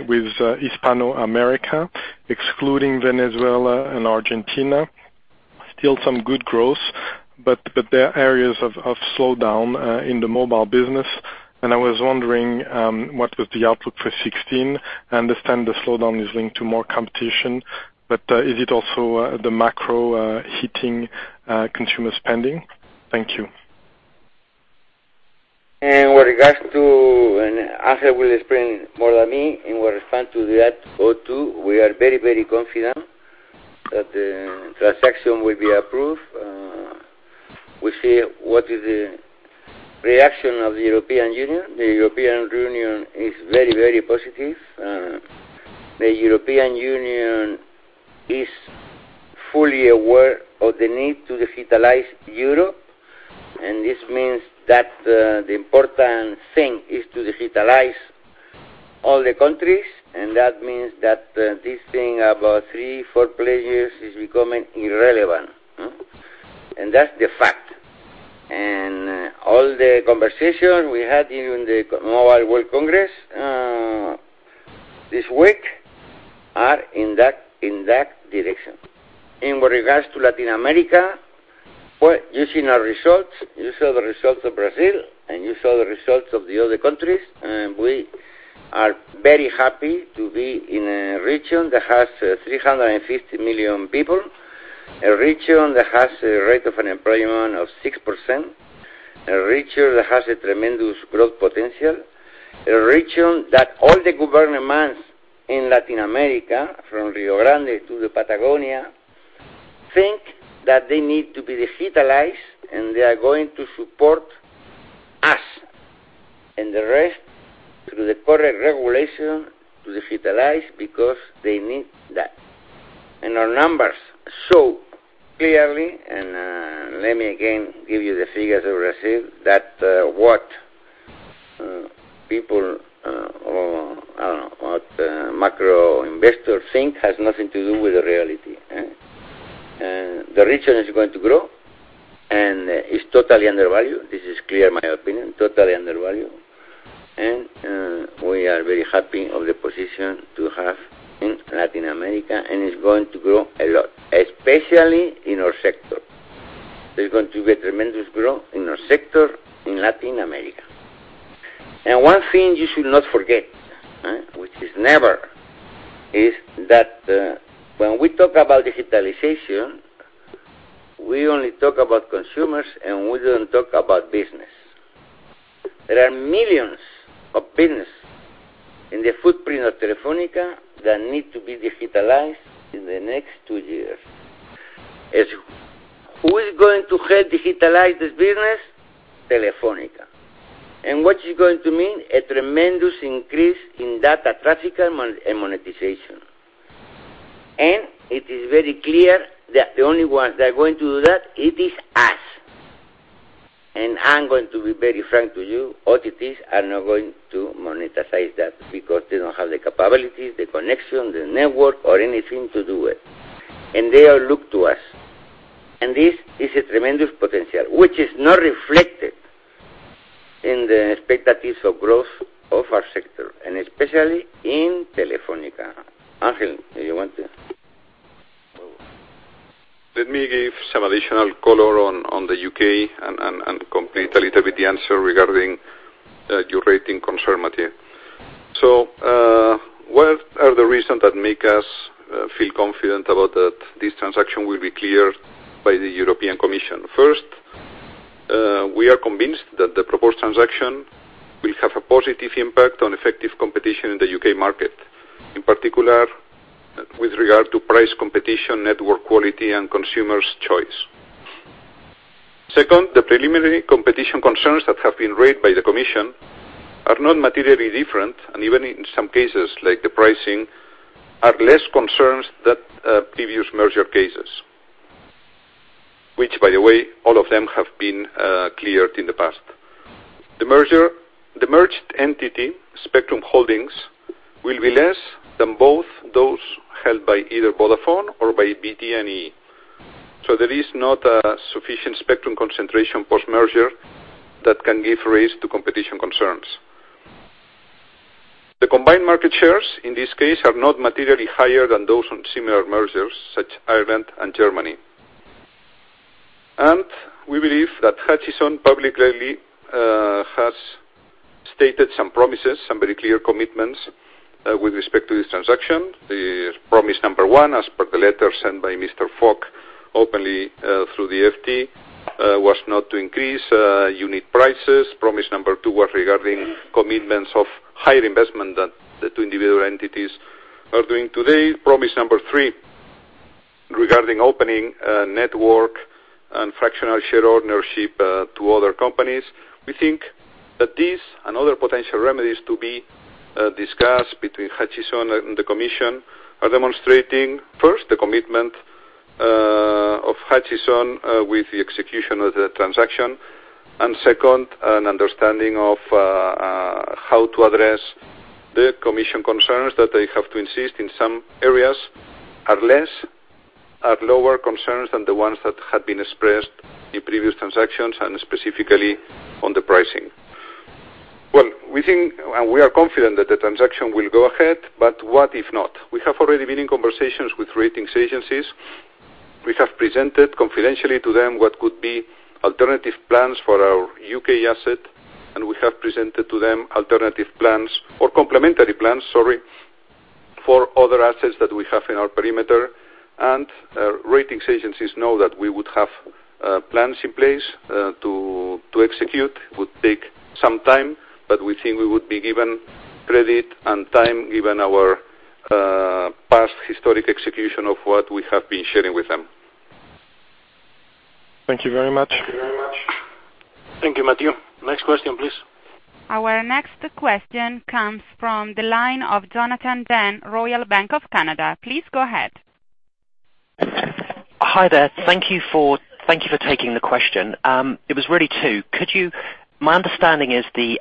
with Hispano America, excluding Venezuela and Argentina. Still some good growth, but there are areas of slowdown in the mobile business. I was wondering what was the outlook for 2016. I understand the slowdown is linked to more competition, but is it also the macro hitting consumer spending? Thank you. Ángel will explain more than me. In response to that, O2, we are very, very confident that the transaction will be approved. We see what is the reaction of the European Union. The European Union is very, very positive. The European Union is fully aware of the need to digitalize Europe. This means that the important thing is to digitalize all the countries, and that means that this thing about three, four players is becoming irrelevant. That's the fact. All the conversations we had in the Mobile World Congress this week are in that direction. In regards to Latin America, you've seen our results. You saw the results of Brazil, and you saw the results of the other countries. We are very happy to be in a region that has 350 million people. A region that has a rate of unemployment of 6%. A region that has a tremendous growth potential. A region that all the governments in Latin America, from Rio Grande to the Patagonia, think that they need to be digitalized, and they are going to support us and the rest through the correct regulation to digitalize because they need that. Our numbers show clearly, and let me again give you the figures of Brazil, that what people or, I don't know, what macro investors think has nothing to do with the reality. The region is going to grow, and it's totally undervalued. This is clear in my opinion, totally undervalued. We are very happy of the position to have in Latin America, and it's going to grow a lot, especially in our sector. There's going to be tremendous growth in our sector in Latin America. One thing you should not forget, which is never, is that when we talk about digitalization, we only talk about consumers, and we don't talk about business. There are millions of businesses in the footprint of Telefónica that need to be digitalized in the next two years. Who is going to help digitalize this business? Telefónica. What is it going to mean? A tremendous increase in data traffic and monetization. It is very clear that the only ones that are going to do that, it is us. I'm going to be very frank to you, OTTs are not going to monetize that because they don't have the capabilities, the connection, the network, or anything to do it. They all look to us. This is a tremendous potential, which is not reflected in the expectations of growth of our sector, and especially in Telefónica. Ángel, do you want to? Let me give some additional color on the U.K. and complete a little bit the answer regarding your rating concern, Mathieu. What are the reasons that make us feel confident about that this transaction will be cleared by the European Commission? First, we are convinced that the proposed transaction will have a positive impact on effective competition in the U.K. market. In particular, with regard to price competition, network quality, and consumer's choice. Second, the preliminary competition concerns that have been raised by the Commission are not materially different, and even in some cases, like the pricing, are less concerns than previous merger cases. Which, by the way, all of them have been cleared in the past. The merged entity, Spectrum Holdings, will be less than both those held by either Vodafone or by BT/EE. There is not a sufficient spectrum concentration post-merger that can give rise to competition concerns. The combined market shares, in this case, are not materially higher than those on similar mergers such as Ireland and Germany. We believe that Hutchison publicly has stated some promises, some very clear commitments with respect to this transaction. The promise number 1, as per the letter sent by Mr. Canning Fok through the FT, was not to increase unit prices. Promise number 2 was regarding commitments of higher investment than the two individual entities are doing today. Promise number 3 regarding opening network and fractional share ownership to other companies. We think that these and other potential remedies to be discussed between Hutchison and the Commission are demonstrating, first, the commitment of Hutchison with the execution of the transaction, and second, an understanding of how to address the Commission concerns that they have to insist in some areas are lower concerns than the ones that had been expressed in previous transactions and specifically on the pricing. We are confident that the transaction will go ahead, but what if not? We have already been in conversations with ratings agencies. We have presented confidentially to them what could be alternative plans for our U.K. asset, and we have presented to them alternative plans or complementary plans, sorry, for other assets that we have in our perimeter. Ratings agencies know that we would have plans in place to execute, would take some time, but we think we would be given credit and time given our past historic execution of what we have been sharing with them. Thank you very much. Thank you, Mathieu. Next question, please. Our next question comes from the line of Jonathan Dann, Royal Bank of Canada. Please go ahead. Hi there. Thank you for taking the question. It was really two. My understanding is the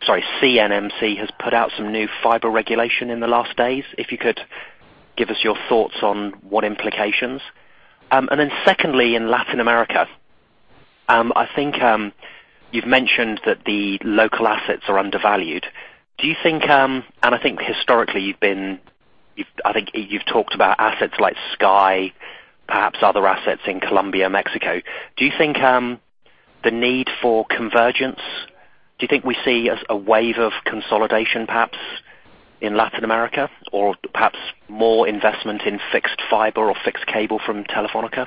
CNMC has put out some new fiber regulation in the last days. If you could give us your thoughts on what implications. Then secondly, in Latin America, I think you've mentioned that the local assets are undervalued. I think historically, I think you've talked about assets like Sky, perhaps other assets in Colombia, Mexico. Do you think the need for convergence, do you think we see as a wave of consolidation perhaps in Latin America, or perhaps more investment in fixed fiber or fixed cable from Telefónica?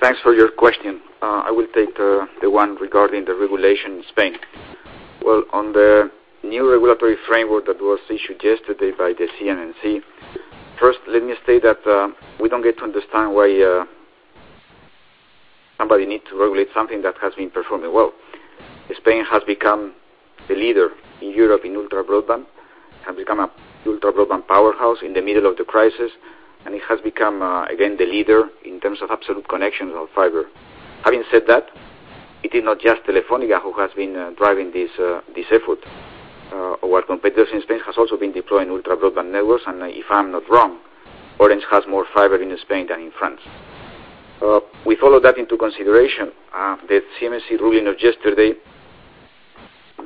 Thanks for your question. I will take the one regarding the regulation in Spain. On the new regulatory framework that was issued yesterday by the CNMC, first, let me state that we don't get to understand why somebody need to regulate something that has been performing well. Spain has become the leader in Europe in ultra broadband, has become a ultra broadband powerhouse in the middle of the crisis, and it has become, again, the leader in terms of absolute connection of fiber. Having said that, it is not just Telefónica who has been driving this effort. Our competitors in Spain has also been deploying ultra broadband networks, and if I'm not wrong, Orange has more fiber in Spain than in France. We follow that into consideration. The CNMC ruling of yesterday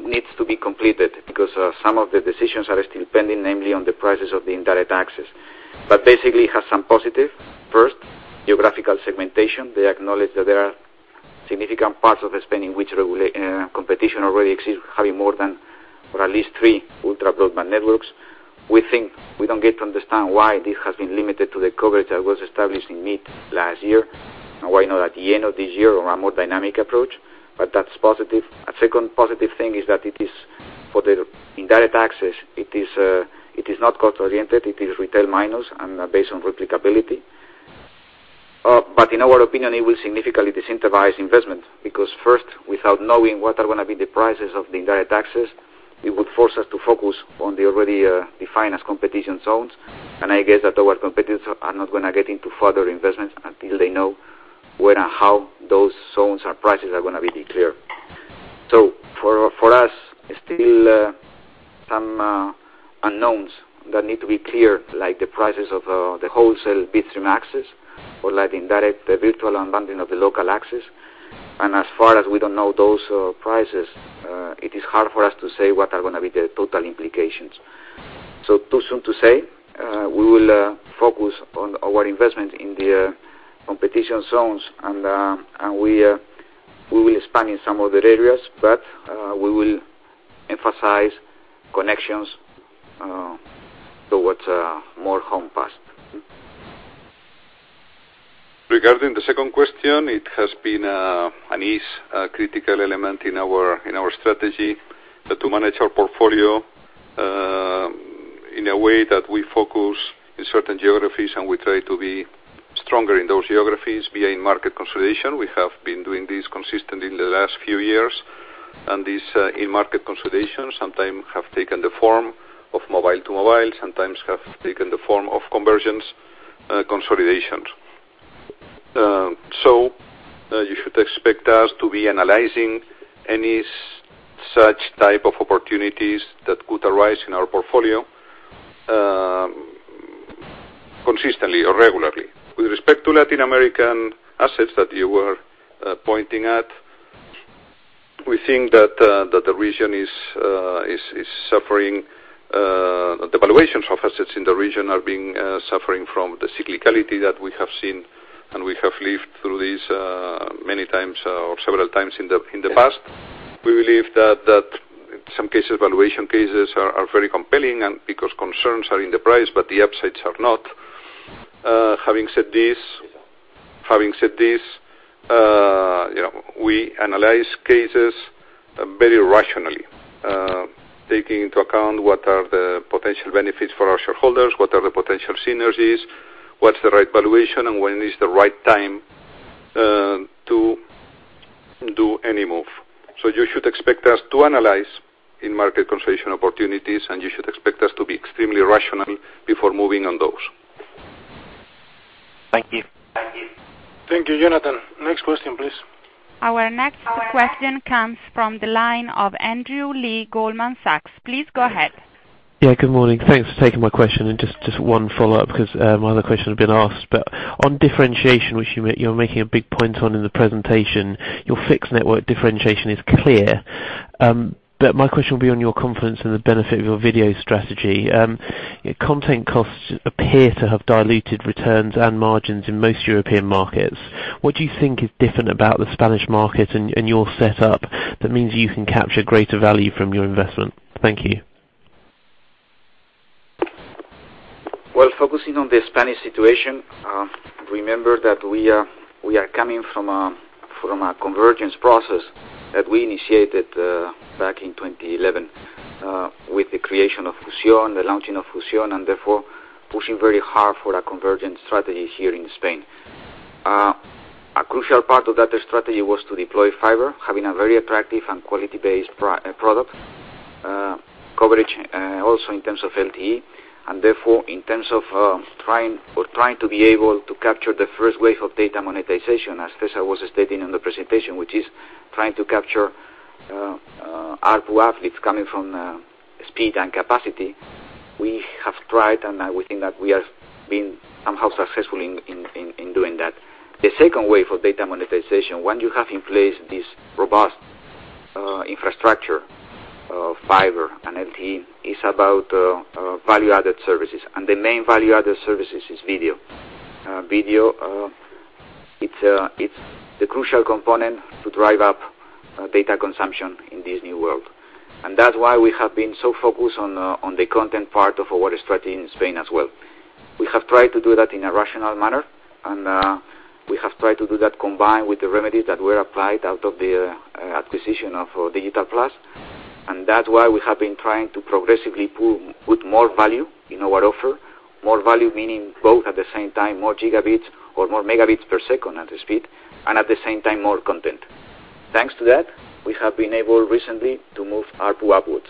needs to be completed because some of the decisions are still pending, namely on the prices of the indirect access. Basically, it has some positive. First, geographical segmentation. They acknowledge that there are significant parts of Spain in which competition already exists, having more than, or at least three ultra broadband networks. We think we don't get to understand why this has been limited to the coverage that was established in mid last year, and why not at the end of this year or a more dynamic approach, but that's positive. A second positive thing is that it is for the indirect access. It is not cost-oriented, it is retail minus, and based on replicability. In our opinion, it will significantly disincentivize investment because first, without knowing what are going to be the prices of the indirect access, it would force us to focus on the already defined as competition zones. I guess that our competitors are not going to get into further investments until they know where and how those zones or prices are going to be declared. For us, still some unknowns that need to be clear, like the prices of the wholesale bitstream access or like the indirect, the virtual unbundling of the local access. As far as we don't know those prices, it is hard for us to say what are going to be the total implications. Too soon to say. We will focus on our investment in the competition zones, and we will expand in some other areas, but we will emphasize connections towards more home passed. Regarding the second question, it has been an critical element in our strategy to manage our portfolio, in a way that we focus in certain geographies, and we try to be stronger in those geographies via in-market consolidation. We have been doing this consistently in the last few years, and this in-market consolidation sometime have taken the form of mobile to mobile, sometimes have taken the form of convergent consolidations. You should expect us to be analyzing any such type of opportunities that could arise in our portfolio, consistently or regularly. With respect to Latin American assets that you were pointing at, we think that the valuations of assets in the region are being suffering from the cyclicality that we have seen, and we have lived through this many times or several times in the past. We believe that Some cases, valuation cases are very compelling because concerns are in the price, but the upsides are not. Having said this, we analyze cases very rationally, taking into account what are the potential benefits for our shareholders, what are the potential synergies, what's the right valuation, and when is the right time to do any move. You should expect us to analyze in market consolidation opportunities, and you should expect us to be extremely rational before moving on those. Thank you. Thank you, Jonathan. Next question, please. Our next question comes from the line of Andrew Lee, Goldman Sachs. Please go ahead. Yeah, good morning. Thanks for taking my question. Just one follow-up because my other question has been asked, but on differentiation, which you're making a big point on in the presentation, your fixed network differentiation is clear. My question will be on your confidence in the benefit of your video strategy. Content costs appear to have diluted returns and margins in most European markets. What do you think is different about the Spanish market and your setup that means you can capture greater value from your investment? Thank you. Well, focusing on the Spanish situation, remember that we are coming from a convergence process that we initiated back in 2011 with the creation of Fusión, the launching of Fusión, therefore pushing very hard for a convergence strategy here in Spain. A crucial part of that strategy was to deploy fiber, having a very attractive and quality-based product coverage, also in terms of LTE, therefore, in terms of trying to be able to capture the first wave of data monetization, as César was stating in the presentation, which is trying to capture ARPU uplifts coming from speed and capacity. We have tried, and we think that we have been somehow successful in doing that. The second way for data monetization, once you have in place this robust infrastructure of fiber and LTE, is about value-added services, the main value-added service is video. Video, it's the crucial component to drive up data consumption in this new world, that's why we have been so focused on the content part of our strategy in Spain as well. We have tried to do that in a rational manner, we have tried to do that combined with the remedies that were applied out of the acquisition of Digital+, that's why we have been trying to progressively put more value in our offer. More value, meaning both at the same time, more gigabits or more megabits per second at the speed, at the same time, more content. Thanks to that, we have been able recently to move ARPU upwards.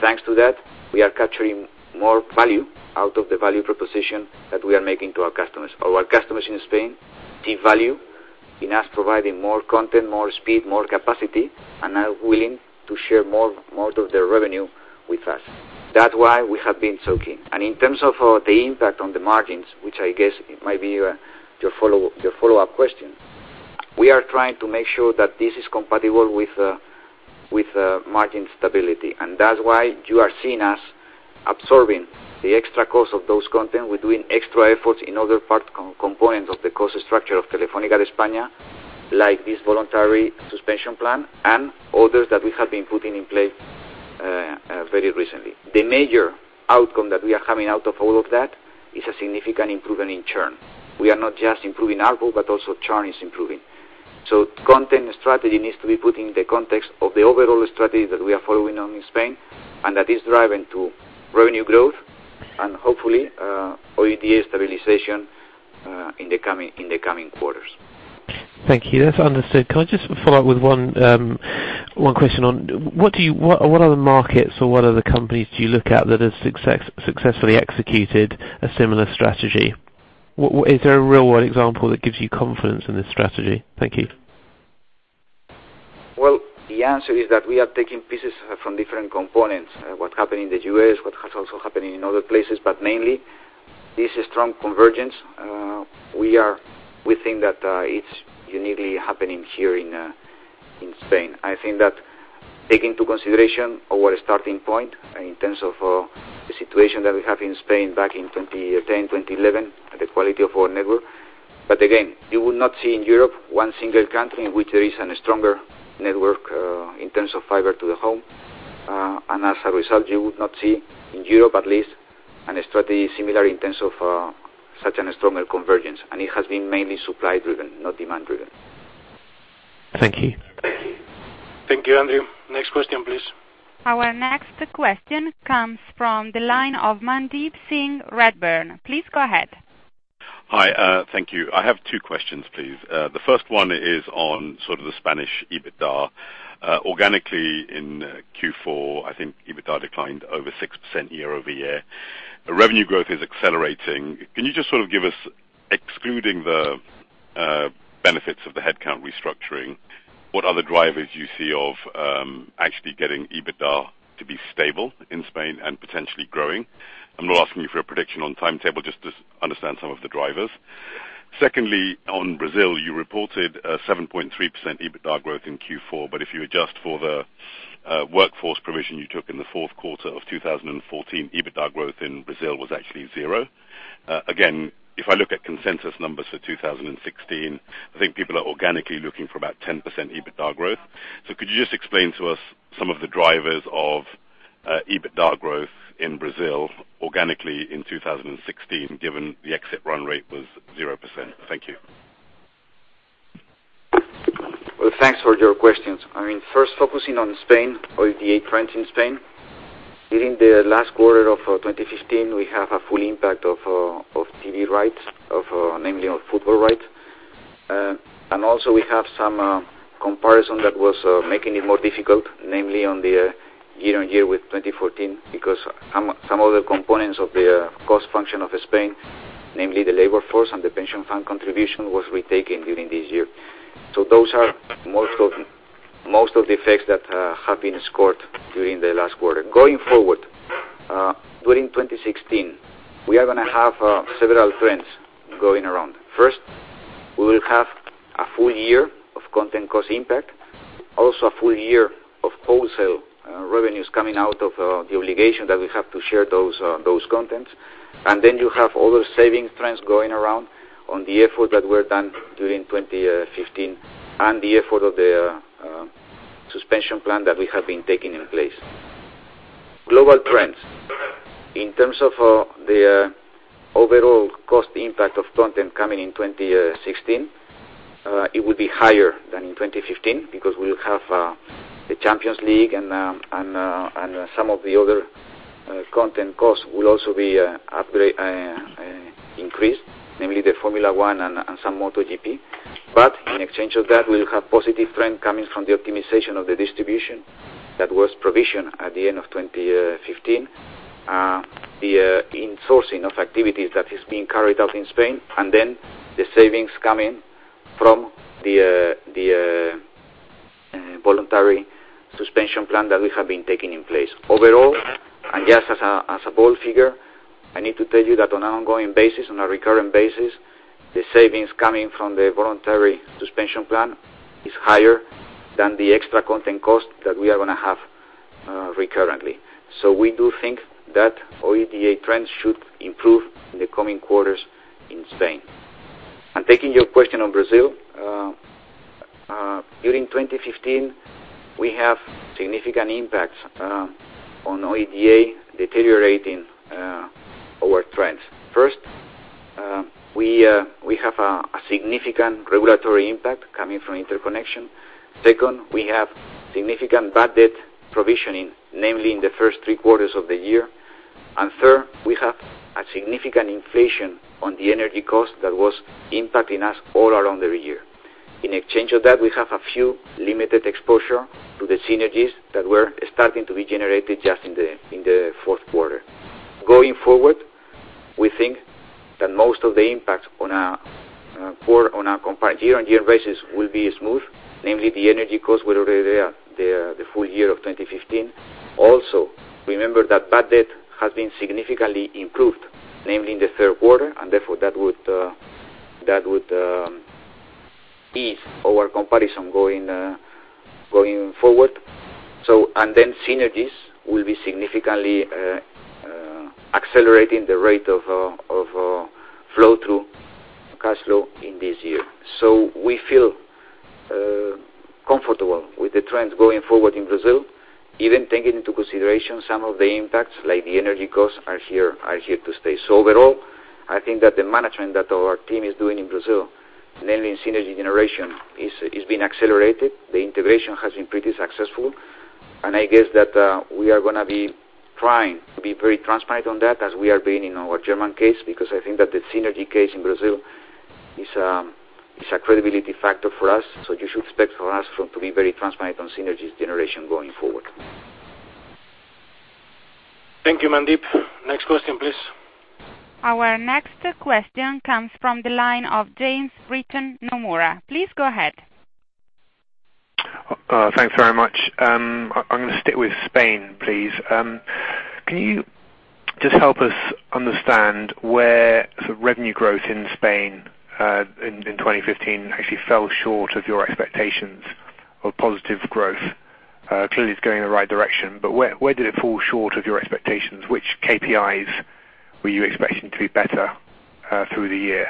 Thanks to that, we are capturing more value out of the value proposition that we are making to our customers. Our customers in Spain see value in us providing more content, more speed, more capacity, and are willing to share more of their revenue with us. That's why we have been so keen. In terms of the impact on the margins, which I guess might be your follow-up question, we are trying to make sure that this is compatible with margin stability, and that's why you are seeing us absorbing the extra cost of those content. We're doing extra efforts in other components of the cost structure of Telefónica España, like this voluntary suspension plan and others that we have been putting in place very recently. The major outcome that we are having out of all of that is a significant improvement in churn. We are not just improving ARPU, but also churn is improving. Content strategy needs to be put in the context of the overall strategy that we are following on in Spain, and that is driving to revenue growth and hopefully, OIBDA stabilization in the coming quarters. Thank you. That's understood. Can I just follow up with one question on, what other markets or what other companies do you look at that have successfully executed a similar strategy? Is there a real-world example that gives you confidence in this strategy? Thank you. Well, the answer is that we are taking pieces from different components. What happened in the U.S., what has also happened in other places, but mainly this strong convergence, we think that it's uniquely happening here in Spain. I think that taking into consideration our starting point in terms of the situation that we have in Spain back in 2010, 2011, the quality of our network. Again, you would not see in Europe one single country in which there is a stronger network in terms of fiber-to-the-home. As a result, you would not see in Europe, at least, a strategy similar in terms of such a stronger convergence. It has been mainly supply-driven, not demand-driven. Thank you. Thank you, Andrew. Next question, please. Our next question comes from the line of Mandeep Singh, Redburn. Please go ahead. Hi. Thank you. I have two questions, please. The first one is on sort of the Spanish EBITDA. Organically in Q4, I think EBITDA declined over 6% year-over-year. Revenue growth is accelerating. Can you just sort of give us, excluding the benefits of the headcount restructuring, what other drivers you see of actually getting EBITDA to be stable in Spain and potentially growing? I am not asking you for a prediction on timetable, just to understand some of the drivers. Secondly, on Brazil, you reported a 7.3% EBITDA growth in Q4, but if you adjust for the workforce provision you took in the fourth quarter of 2014, EBITDA growth in Brazil was actually 0. Again, if I look at consensus numbers for 2016, I think people are organically looking for about 10% EBITDA growth. Could you just explain to us some of the drivers of EBITDA growth in Brazil organically in 2016, given the exit run rate was 0%? Thank you. Well, thanks for your questions. First focusing on Spain, OIBDA trends in Spain. During the last quarter of 2015, we have a full impact of TV rights, namely of football rights. Also we have some comparison that was making it more difficult, namely on the year-on-year with 2014, because some other components of the cost function of Spain, namely the labor force and the pension fund contribution, was retaken during this year. Those are most of the effects that have been scored during the last quarter. Going forward, during 2016, we are going to have several trends going around. First, we will have a full year of content cost impact, also a full year of wholesale revenues coming out of the obligation that we have to share those contents. Then you have all those saving trends going around on the effort that were done during 2015 and the effort of the suspension plan that we have been taking in place. Global trends. In terms of the overall cost impact of content coming in 2016, it will be higher than in 2015 because we will have the UEFA Champions League and some of the other content costs will also be increased, namely the Formula One and some MotoGP. In exchange of that, we will have positive trend coming from the optimization of the distribution that was provisioned at the end of 2015. The insourcing of activities that is being carried out in Spain, then the savings coming from the voluntary suspension plan that we have been taking in place. Overall, just as a bold figure, I need to tell you that on an ongoing basis, on a recurring basis, the savings coming from the voluntary suspension plan is higher than the extra content cost that we are going to have recurrently. We do think that OIBDA trends should improve in the coming quarters in Spain. Taking your question on Brazil. During 2015, we have significant impacts on OIBDA deteriorating our trends. First, we have a significant regulatory impact coming from interconnection. Second, we have significant bad debt provisioning, namely in the first three quarters of the year. Third, we have a significant inflation on the energy cost that was impacting us all around the year. In exchange of that, we have a few limited exposure to the synergies that were starting to be generated just in the fourth quarter. We think that most of the impact on a year-over-year basis will be smooth, namely the energy cost were already there the full year of 2015. Remember that bad debt has been significantly improved, namely in the third quarter, therefore that would ease our comparison going forward. Then synergies will be significantly accelerating the rate of flow through cash flow in this year. We feel comfortable with the trends going forward in Brazil, even taking into consideration some of the impacts, like the energy costs are here to stay. Overall, I think that the management that our team is doing in Brazil, namely in synergy generation, is being accelerated. The integration has been pretty successful, I guess that we are going to be trying to be very transparent on that as we are being in our German case, because I think that the synergy case in Brazil is a credibility factor for us. You should expect for us to be very transparent on synergies generation going forward. Thank you, Mandeep. Next question, please. Our next question comes from the line of James Britton, Nomura. Please go ahead. Thanks very much. I'm going to stick with Spain, please. Can you just help us understand where the revenue growth in Spain in 2015 actually fell short of your expectations of positive growth? Clearly, it's going in the right direction, where did it fall short of your expectations? Which KPIs were you expecting to be better through the year?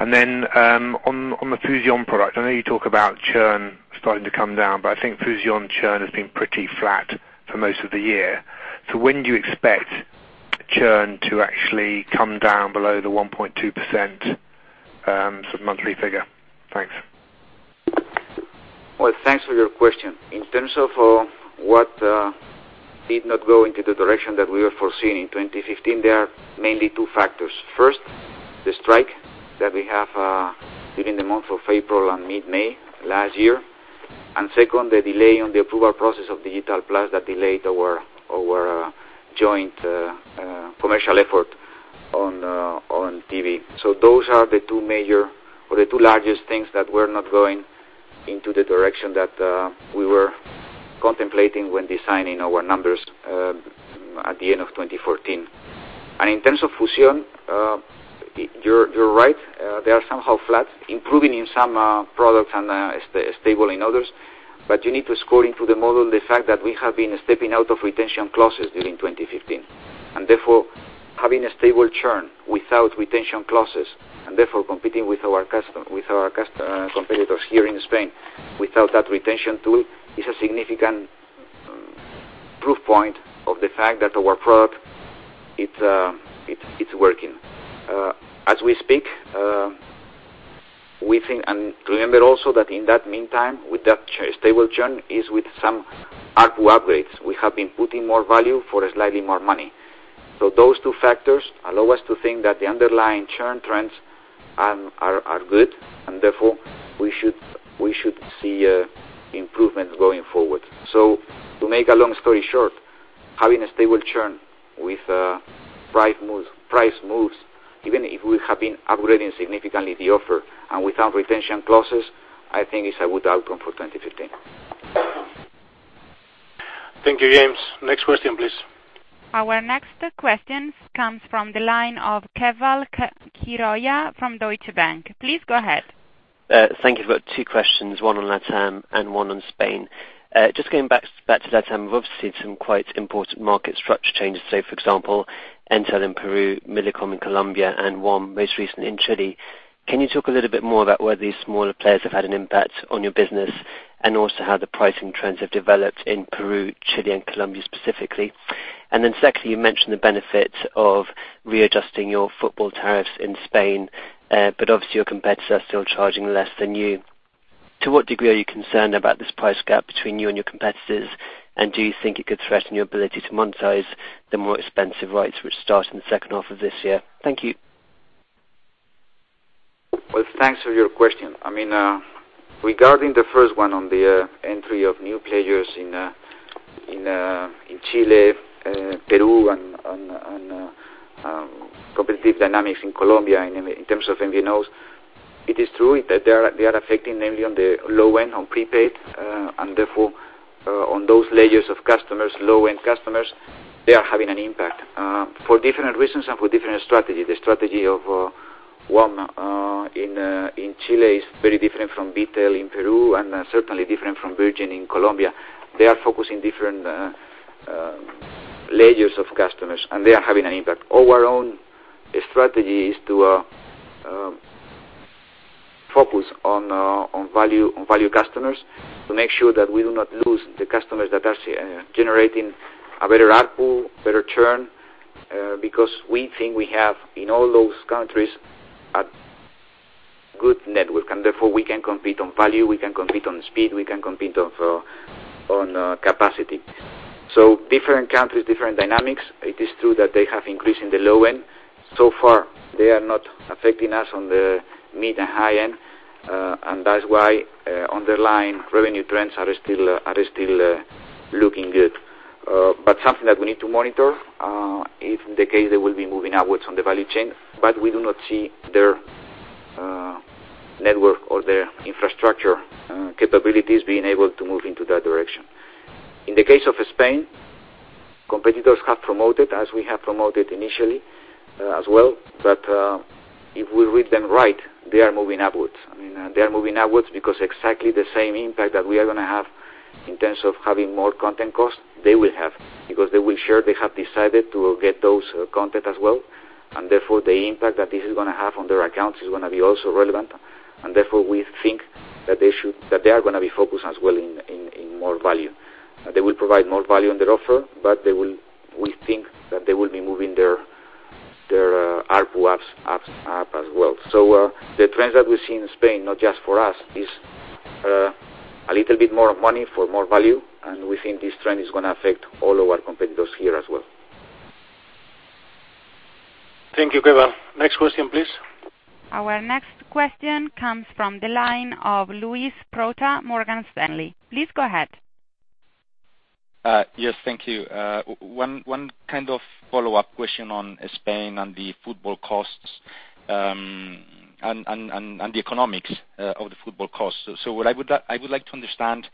On the Fusion product, I know you talk about churn starting to come down, but I think Fusion churn has been pretty flat for most of the year. When do you expect churn to actually come down below the 1.2% monthly figure? Thanks. Well, thanks for your question. In terms of what did not go into the direction that we were foreseeing in 2015, there are mainly two factors. First, the strike that we have during the month of April and mid-May last year. Second, the delay on the approval process of Digital+ that delayed our joint commercial effort on TV. Those are the two major or the two largest things that were not going into the direction that we were contemplating when designing our numbers at the end of 2014. In terms of Fusion, you're right. They are somehow flat, improving in some products and stable in others. You need to score into the model the fact that we have been stepping out of retention clauses during 2015. Having a stable churn without retention clauses, and therefore competing with our competitors here in Spain, without that retention tool, is a significant proof point of the fact that our product is working. As we speak, we think, remember also that in that meantime, with that stable churn is with some ARPU upgrades. We have been putting more value for slightly more money. Those two factors allow us to think that the underlying churn trends are good, and therefore, we should see improvements going forward. To make a long story short, having a stable churn with price moves, even if we have been upgrading significantly the offer and without retention clauses, I think is a good outcome for 2015. Thank you, James. Next question, please. Our next question comes from the line of Keval Khiroya from Deutsche Bank. Please go ahead. Thank you. I've got two questions, one on LatAm and one on Spain. Just going back to LatAm, we've obviously seen some quite important market structure changes. For example, Entel in Peru, Millicom in Colombia, and WOM, most recently in Chile. Can you talk a little bit more about whether these smaller players have had an impact on your business, and also how the pricing trends have developed in Peru, Chile, and Colombia specifically? Secondly, you mentioned the benefit of readjusting your football tariffs in Spain. Obviously, your competitors are still charging less than you. To what degree are you concerned about this price gap between you and your competitors? Do you think it could threaten your ability to monetize the more expensive rights which start in the second half of this year? Thank you. Well, thanks for your question. Regarding the first one on the entry of new players in Chile, Peru, and on competitive dynamics in Colombia in terms of MVNOs, it is true that they are affecting namely on the low end, on prepaid. Therefore, on those layers of customers, low-end customers, they are having an impact. For different reasons and for different strategy. The strategy of WOM in Chile is very different from Bitel in Peru and certainly different from Virgin in Colombia. They are focusing different layers of customers. They are having an impact. Our own strategy is to focus on value customers to make sure that we do not lose the customers that are generating a better ARPU, better churn, because we think we have, in all those countries, a good network. Therefore, we can compete on value, we can compete on speed, we can compete on capacity. Different countries, different dynamics. It is true that they have increased in the low end. Far, they are not affecting us on the mid and high end. That's why underlying revenue trends are still looking good. Something that we need to monitor, if the case, they will be moving upwards on the value chain, we do not see their network or their infrastructure capabilities being able to move into that direction. In the case of Spain, competitors have promoted as we have promoted initially as well. If we read them right, they are moving upwards. They are moving upwards because exactly the same impact that we are going to have in terms of having more content cost, they will have. They will share, they have decided to get those content as well. Therefore, the impact that this is going to have on their accounts is going to be also relevant. Therefore, we think that they are going to be focused as well in more value. They will provide more value on their offer. We think that they will be moving their ARPU up as well. The trends that we see in Spain, not just for us, is a little bit more money for more value. We think this trend is going to affect all our competitors here as well. Thank you, Keval. Next question, please. Our next question comes from the line of Luis Prota, Morgan Stanley. Please go ahead. Yes. Thank you. One follow-up question on Spain on the football costs and the economics of the football costs. What I would like to understand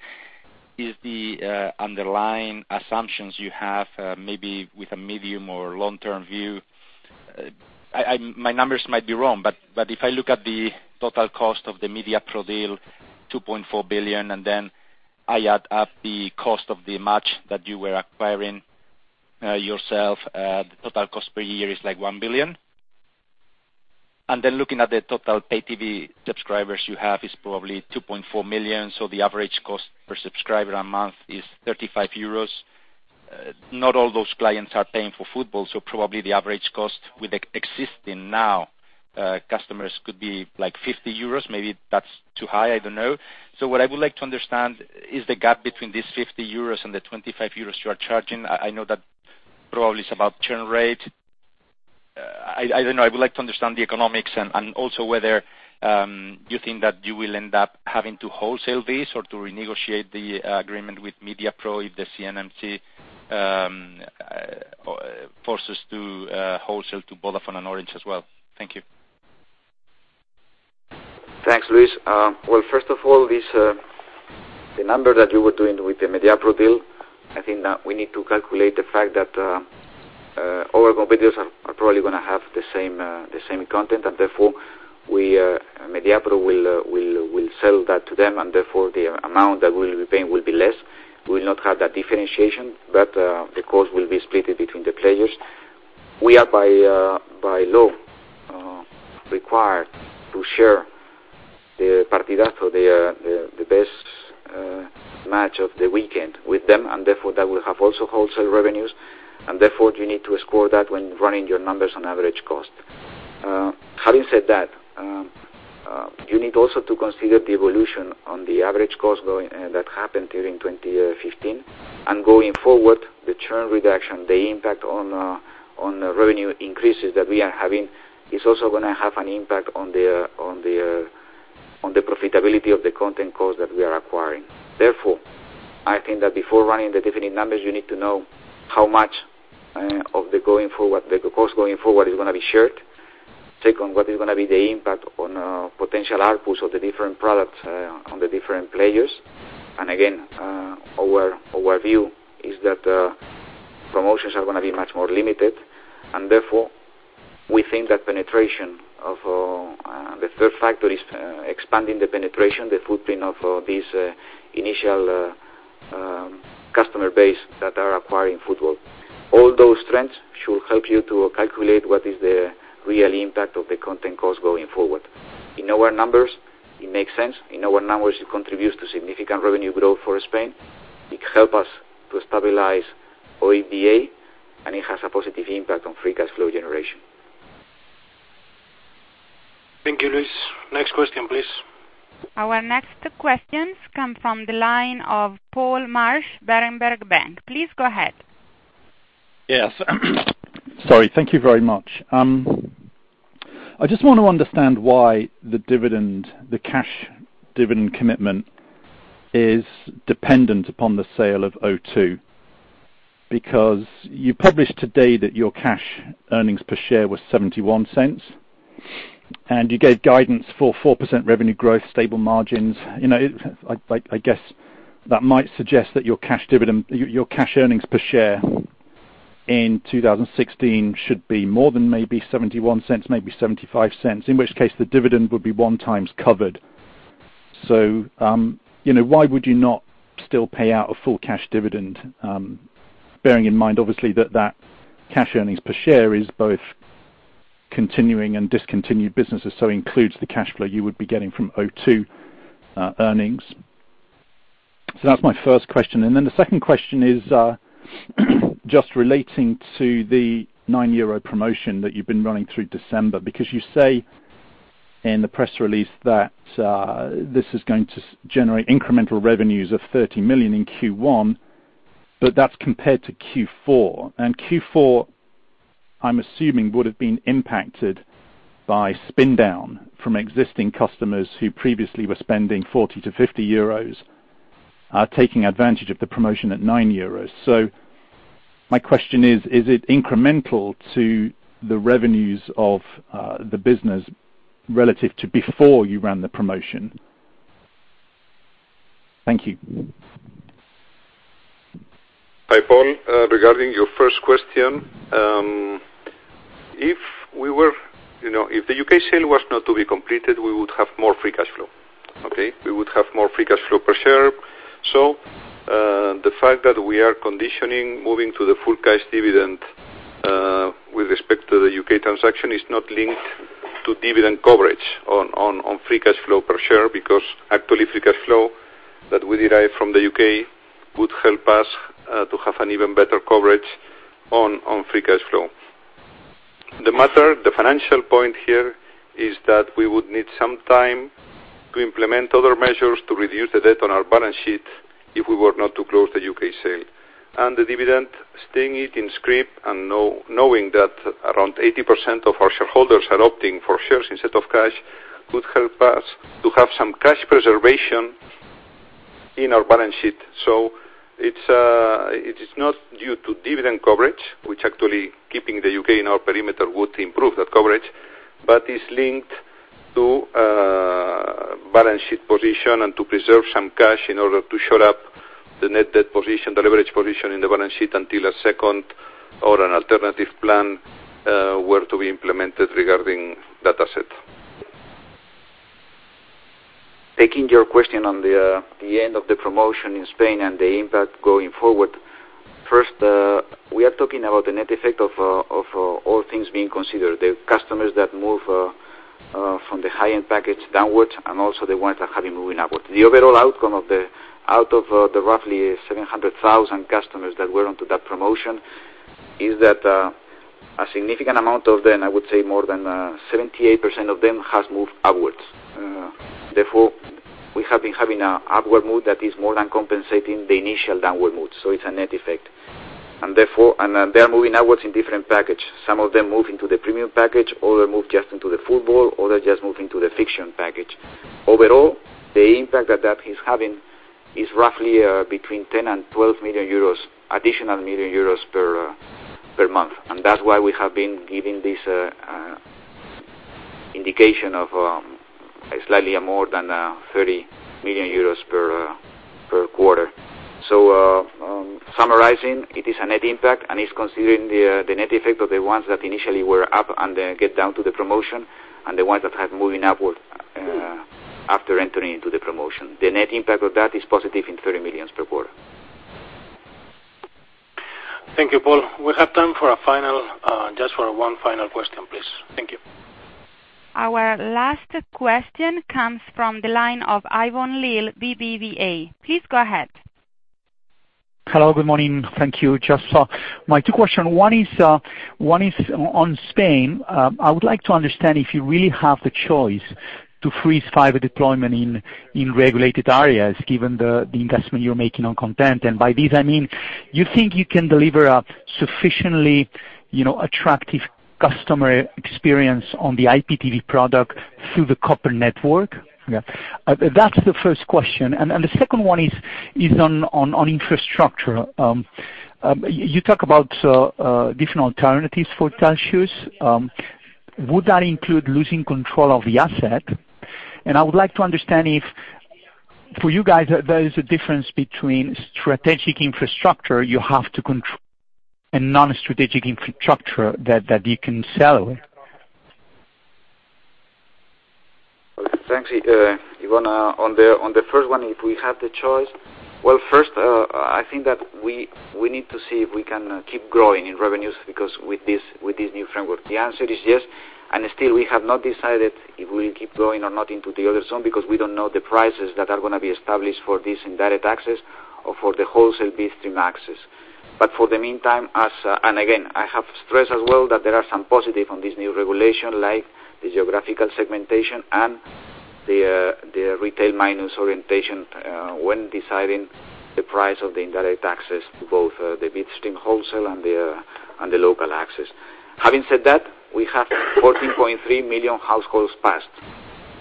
is the underlying assumptions you have, maybe with a medium or long-term view. My numbers might be wrong, but if I look at the total cost of the Mediapro deal, 2.4 billion, and then I add up the cost of the match that you were acquiring yourself, the total cost per year is like 1 billion. Looking at the total pay TV subscribers you have is probably 2.4 million, so the average cost per subscriber a month is 35 euros. Not all those clients are paying for football, so probably the average cost with existing now customers could be like 50 euros. Maybe that's too high. I don't know. What I would like to understand is the gap between this 50 euros and the 25 euros you are charging. I know that probably it's about churn rate. I don't know. I would like to understand the economics and also whether you think that you will end up having to wholesale this or to renegotiate the agreement with Mediapro if the CNMC forces to wholesale to Vodafone and Orange as well. Thank you. Thanks, Luis. First of all, the number that you were doing with the Mediapro deal, I think that we need to calculate the fact that our competitors are probably going to have the same content, and therefore Mediapro will sell that to them, and therefore the amount that we'll be paying will be less. We will not have that differentiation, but the cost will be split between the players. We are, by law, required to share the Partidazo, the best match of the weekend with them, and therefore that will have also wholesale revenues. You need to score that when running your numbers on average cost. Having said that, you need also to consider the evolution on the average cost that happened during 2015. Going forward, the churn reduction, the impact on the revenue increases that we are having is also going to have an impact on the profitability of the content cost that we are acquiring. I think that before running the definitive numbers, you need to know how much of the cost going forward is going to be shared. Second, what is going to be the impact on potential ARPU of the different products on the different players. Again, our view is that promotions are going to be much more limited, we think that the third factor is expanding the penetration, the footprint of this initial customer base that are acquiring football. All those trends should help you to calculate what is the real impact of the content cost going forward. In our numbers, it makes sense. In our numbers, it contributes to significant revenue growth for Spain. It help us to stabilize OIBDA, and it has a positive impact on free cash flow generation. Thank you, Luis. Next question, please. Our next questions come from the line of Paul Marsch, Berenberg Bank. Please go ahead. Yes. Sorry. Thank you very much. I just want to understand why the cash dividend commitment is dependent upon the sale of O2. You published today that your cash earnings per share was 0.71, and you gave guidance for 4% revenue growth, stable margins. I guess that might suggest that your cash earnings per share in 2016 should be more than maybe 0.71, maybe 0.75. In which case, the dividend would be one times covered. Why would you not still pay out a full cash dividend, bearing in mind, obviously, that that cash earnings per share is both continuing and discontinued businesses, so includes the cash flow you would be getting from O2 earnings. That's my first question. The second question is, just relating to the 9 euro promotion that you've been running through December, because you say in the press release that this is going to generate incremental revenues of 30 million in Q1, but that's compared to Q4. Q4, I'm assuming, would have been impacted by spin down from existing customers who previously were spending 40 to 50 euros are taking advantage of the promotion at 9 euros. My question is: Is it incremental to the revenues of the business relative to before you ran the promotion? Thank you. Hi, Paul. Regarding your first question, if the U.K. sale was not to be completed, we would have more free cash flow. Okay? We would have more free cash flow per share. The fact that we are conditioning moving to the full cash dividend with respect to the U.K. transaction is not linked to dividend coverage on free cash flow per share, because actually, free cash flow that we derive from the U.K. would help us to have an even better coverage on free cash flow. The financial point here is that we would need some time to implement other measures to reduce the debt on our balance sheet if we were not to close the U.K. sale. The dividend, staying it in scrip and knowing that around 80% of our shareholders are opting for shares instead of cash, would help us to have some cash preservation in our balance sheet. It is not due to dividend coverage, which actually keeping the U.K. in our perimeter would improve that coverage, but is linked to balance sheet position and to preserve some cash in order to shore up the net debt position, the leverage position in the balance sheet until a second or an alternative plan were to be implemented regarding that asset. Taking your question on the end of the promotion in Spain and the impact going forward. First, we are talking about the net effect of all things being considered. The customers that move from the high-end package downwards, and also the ones that have been moving upwards. The overall outcome out of the roughly 700,000 customers that were onto that promotion is that a significant amount of them, I would say more than 78% of them, has moved upwards. Therefore, we have been having an upward move that is more than compensating the initial downward move. It's a net effect. They are moving upwards in different package. Some of them move into the premium package, other move just into the football, other just move into the fiction package. Overall, the impact that that is having is roughly between 10 million and 12 million euros additional per month. That's why we have been giving this indication of slightly more than 30 million euros per quarter. Summarizing, it is a net impact, and it's considering the net effect of the ones that initially were up and then get down to the promotion, and the ones that have moving upward after entering into the promotion. The net impact of that is positive in 30 million per quarter. Thank you, Paul. We have time just for one final question, please. Thank you. Our last question comes from the line of Ivón Leal, BBVA. Please go ahead. Hello. Good morning. Thank you. Just for my two question, one is on Spain. I would like to understand if you really have the choice to freeze fiber deployment in regulated areas, given the investment you're making on content. By this, I mean, you think you can deliver a sufficiently attractive customer experience on the IPTV product through the copper network? Yeah. That's the first question. The second one is on infrastructure. You talk about different alternatives for Telxius. Would that include losing control of the asset? I would like to understand if, for you guys, there is a difference between strategic infrastructure you have to control and non-strategic infrastructure that you can sell. Okay, thanks. Ivon, on the first one, if we have the choice. Well, first, I think that we need to see if we can keep growing in revenues because with this new framework, the answer is yes. Still, we have not decided if we'll keep growing or not into the other zone because we don't know the prices that are going to be established for this indirect access or for the wholesale bitstream access. For the meantime, again, I have stressed as well that there are some positive on this new regulation, like the geographical segmentation and the retail minus orientation when deciding the price of the indirect access to both the bitstream wholesale and the local access. Having said that, we have 14.3 million households passed,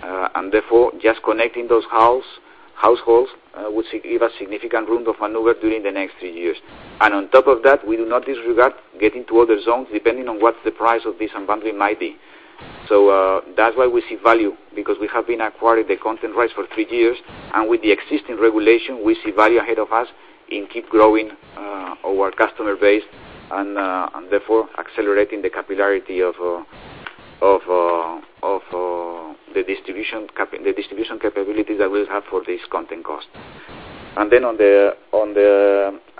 and therefore, just connecting those households would give a significant room to maneuver during the next three years. On top of that, we do not disregard getting to other zones depending on what the price of this unbundling might be. That's why we see value, because we have been acquiring the content price for three years, and with the existing regulation, we see value ahead of us in keep growing our customer base and, therefore, accelerating the capillarity of the distribution capabilities that we'll have for this content cost.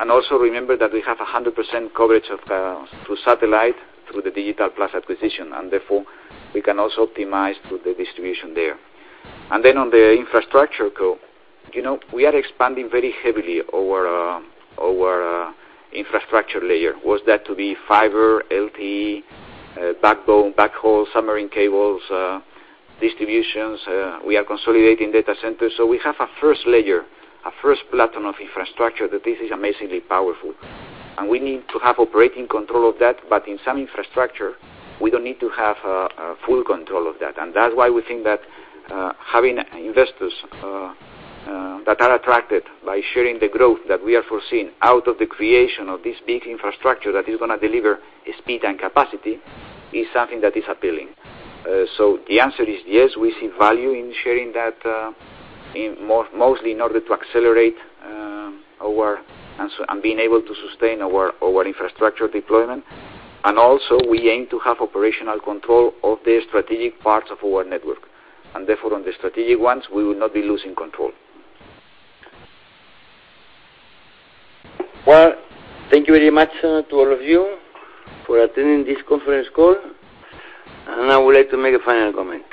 Also remember that we have 100% coverage through satellite, through the Digital+ acquisition, and therefore, we can also optimize through the distribution there. On the infrastructure go, we are expanding very heavily our infrastructure layer. Was that to be fiber, LTE, backbone, backhaul, submarine cables, distributions, we are consolidating data centers. We have a first layer, a first platform of infrastructure that this is amazingly powerful. We need to have operating control of that. But in some infrastructure, we don't need to have full control of that. That's why we think that having investors that are attracted by sharing the growth that we are foreseeing out of the creation of this big infrastructure that is going to deliver speed and capacity is something that is appealing. The answer is yes, we see value in sharing that, mostly in order to accelerate and being able to sustain our infrastructure deployment. Also, we aim to have operational control of the strategic parts of our network. Therefore, on the strategic ones, we will not be losing control. Well, thank you very much to all of you for attending this conference call. I would like to make a final comment.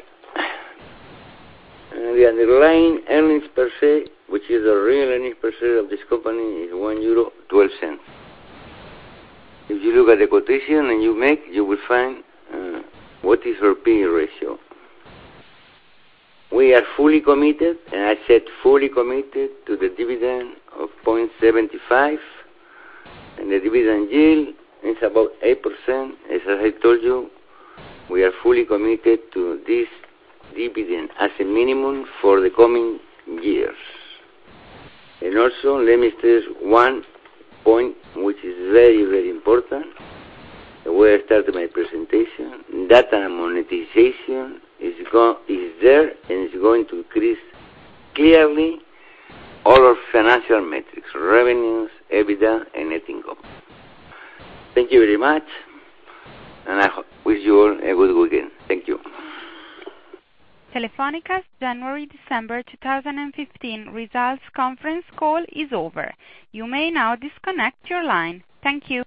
The underlying earnings per share, which is the real earnings per share of this company, is 1.12 euro. If you look at the quotation and you make, you will find what is our P/E ratio. We are fully committed, I said fully committed to the dividend of 0.75, and the dividend yield is about 8%. As I told you, we are fully committed to this dividend as a minimum for the coming years. Also, let me stress one point, which is very, very important, where I started my presentation. Data monetization is there and it's going to increase clearly all our financial metrics, revenues, EBITDA, and net income. Thank you very much, I wish you all a good weekend. Thank you. Telefónica's January-December 2015 results conference call is over. You may now disconnect your line. Thank you.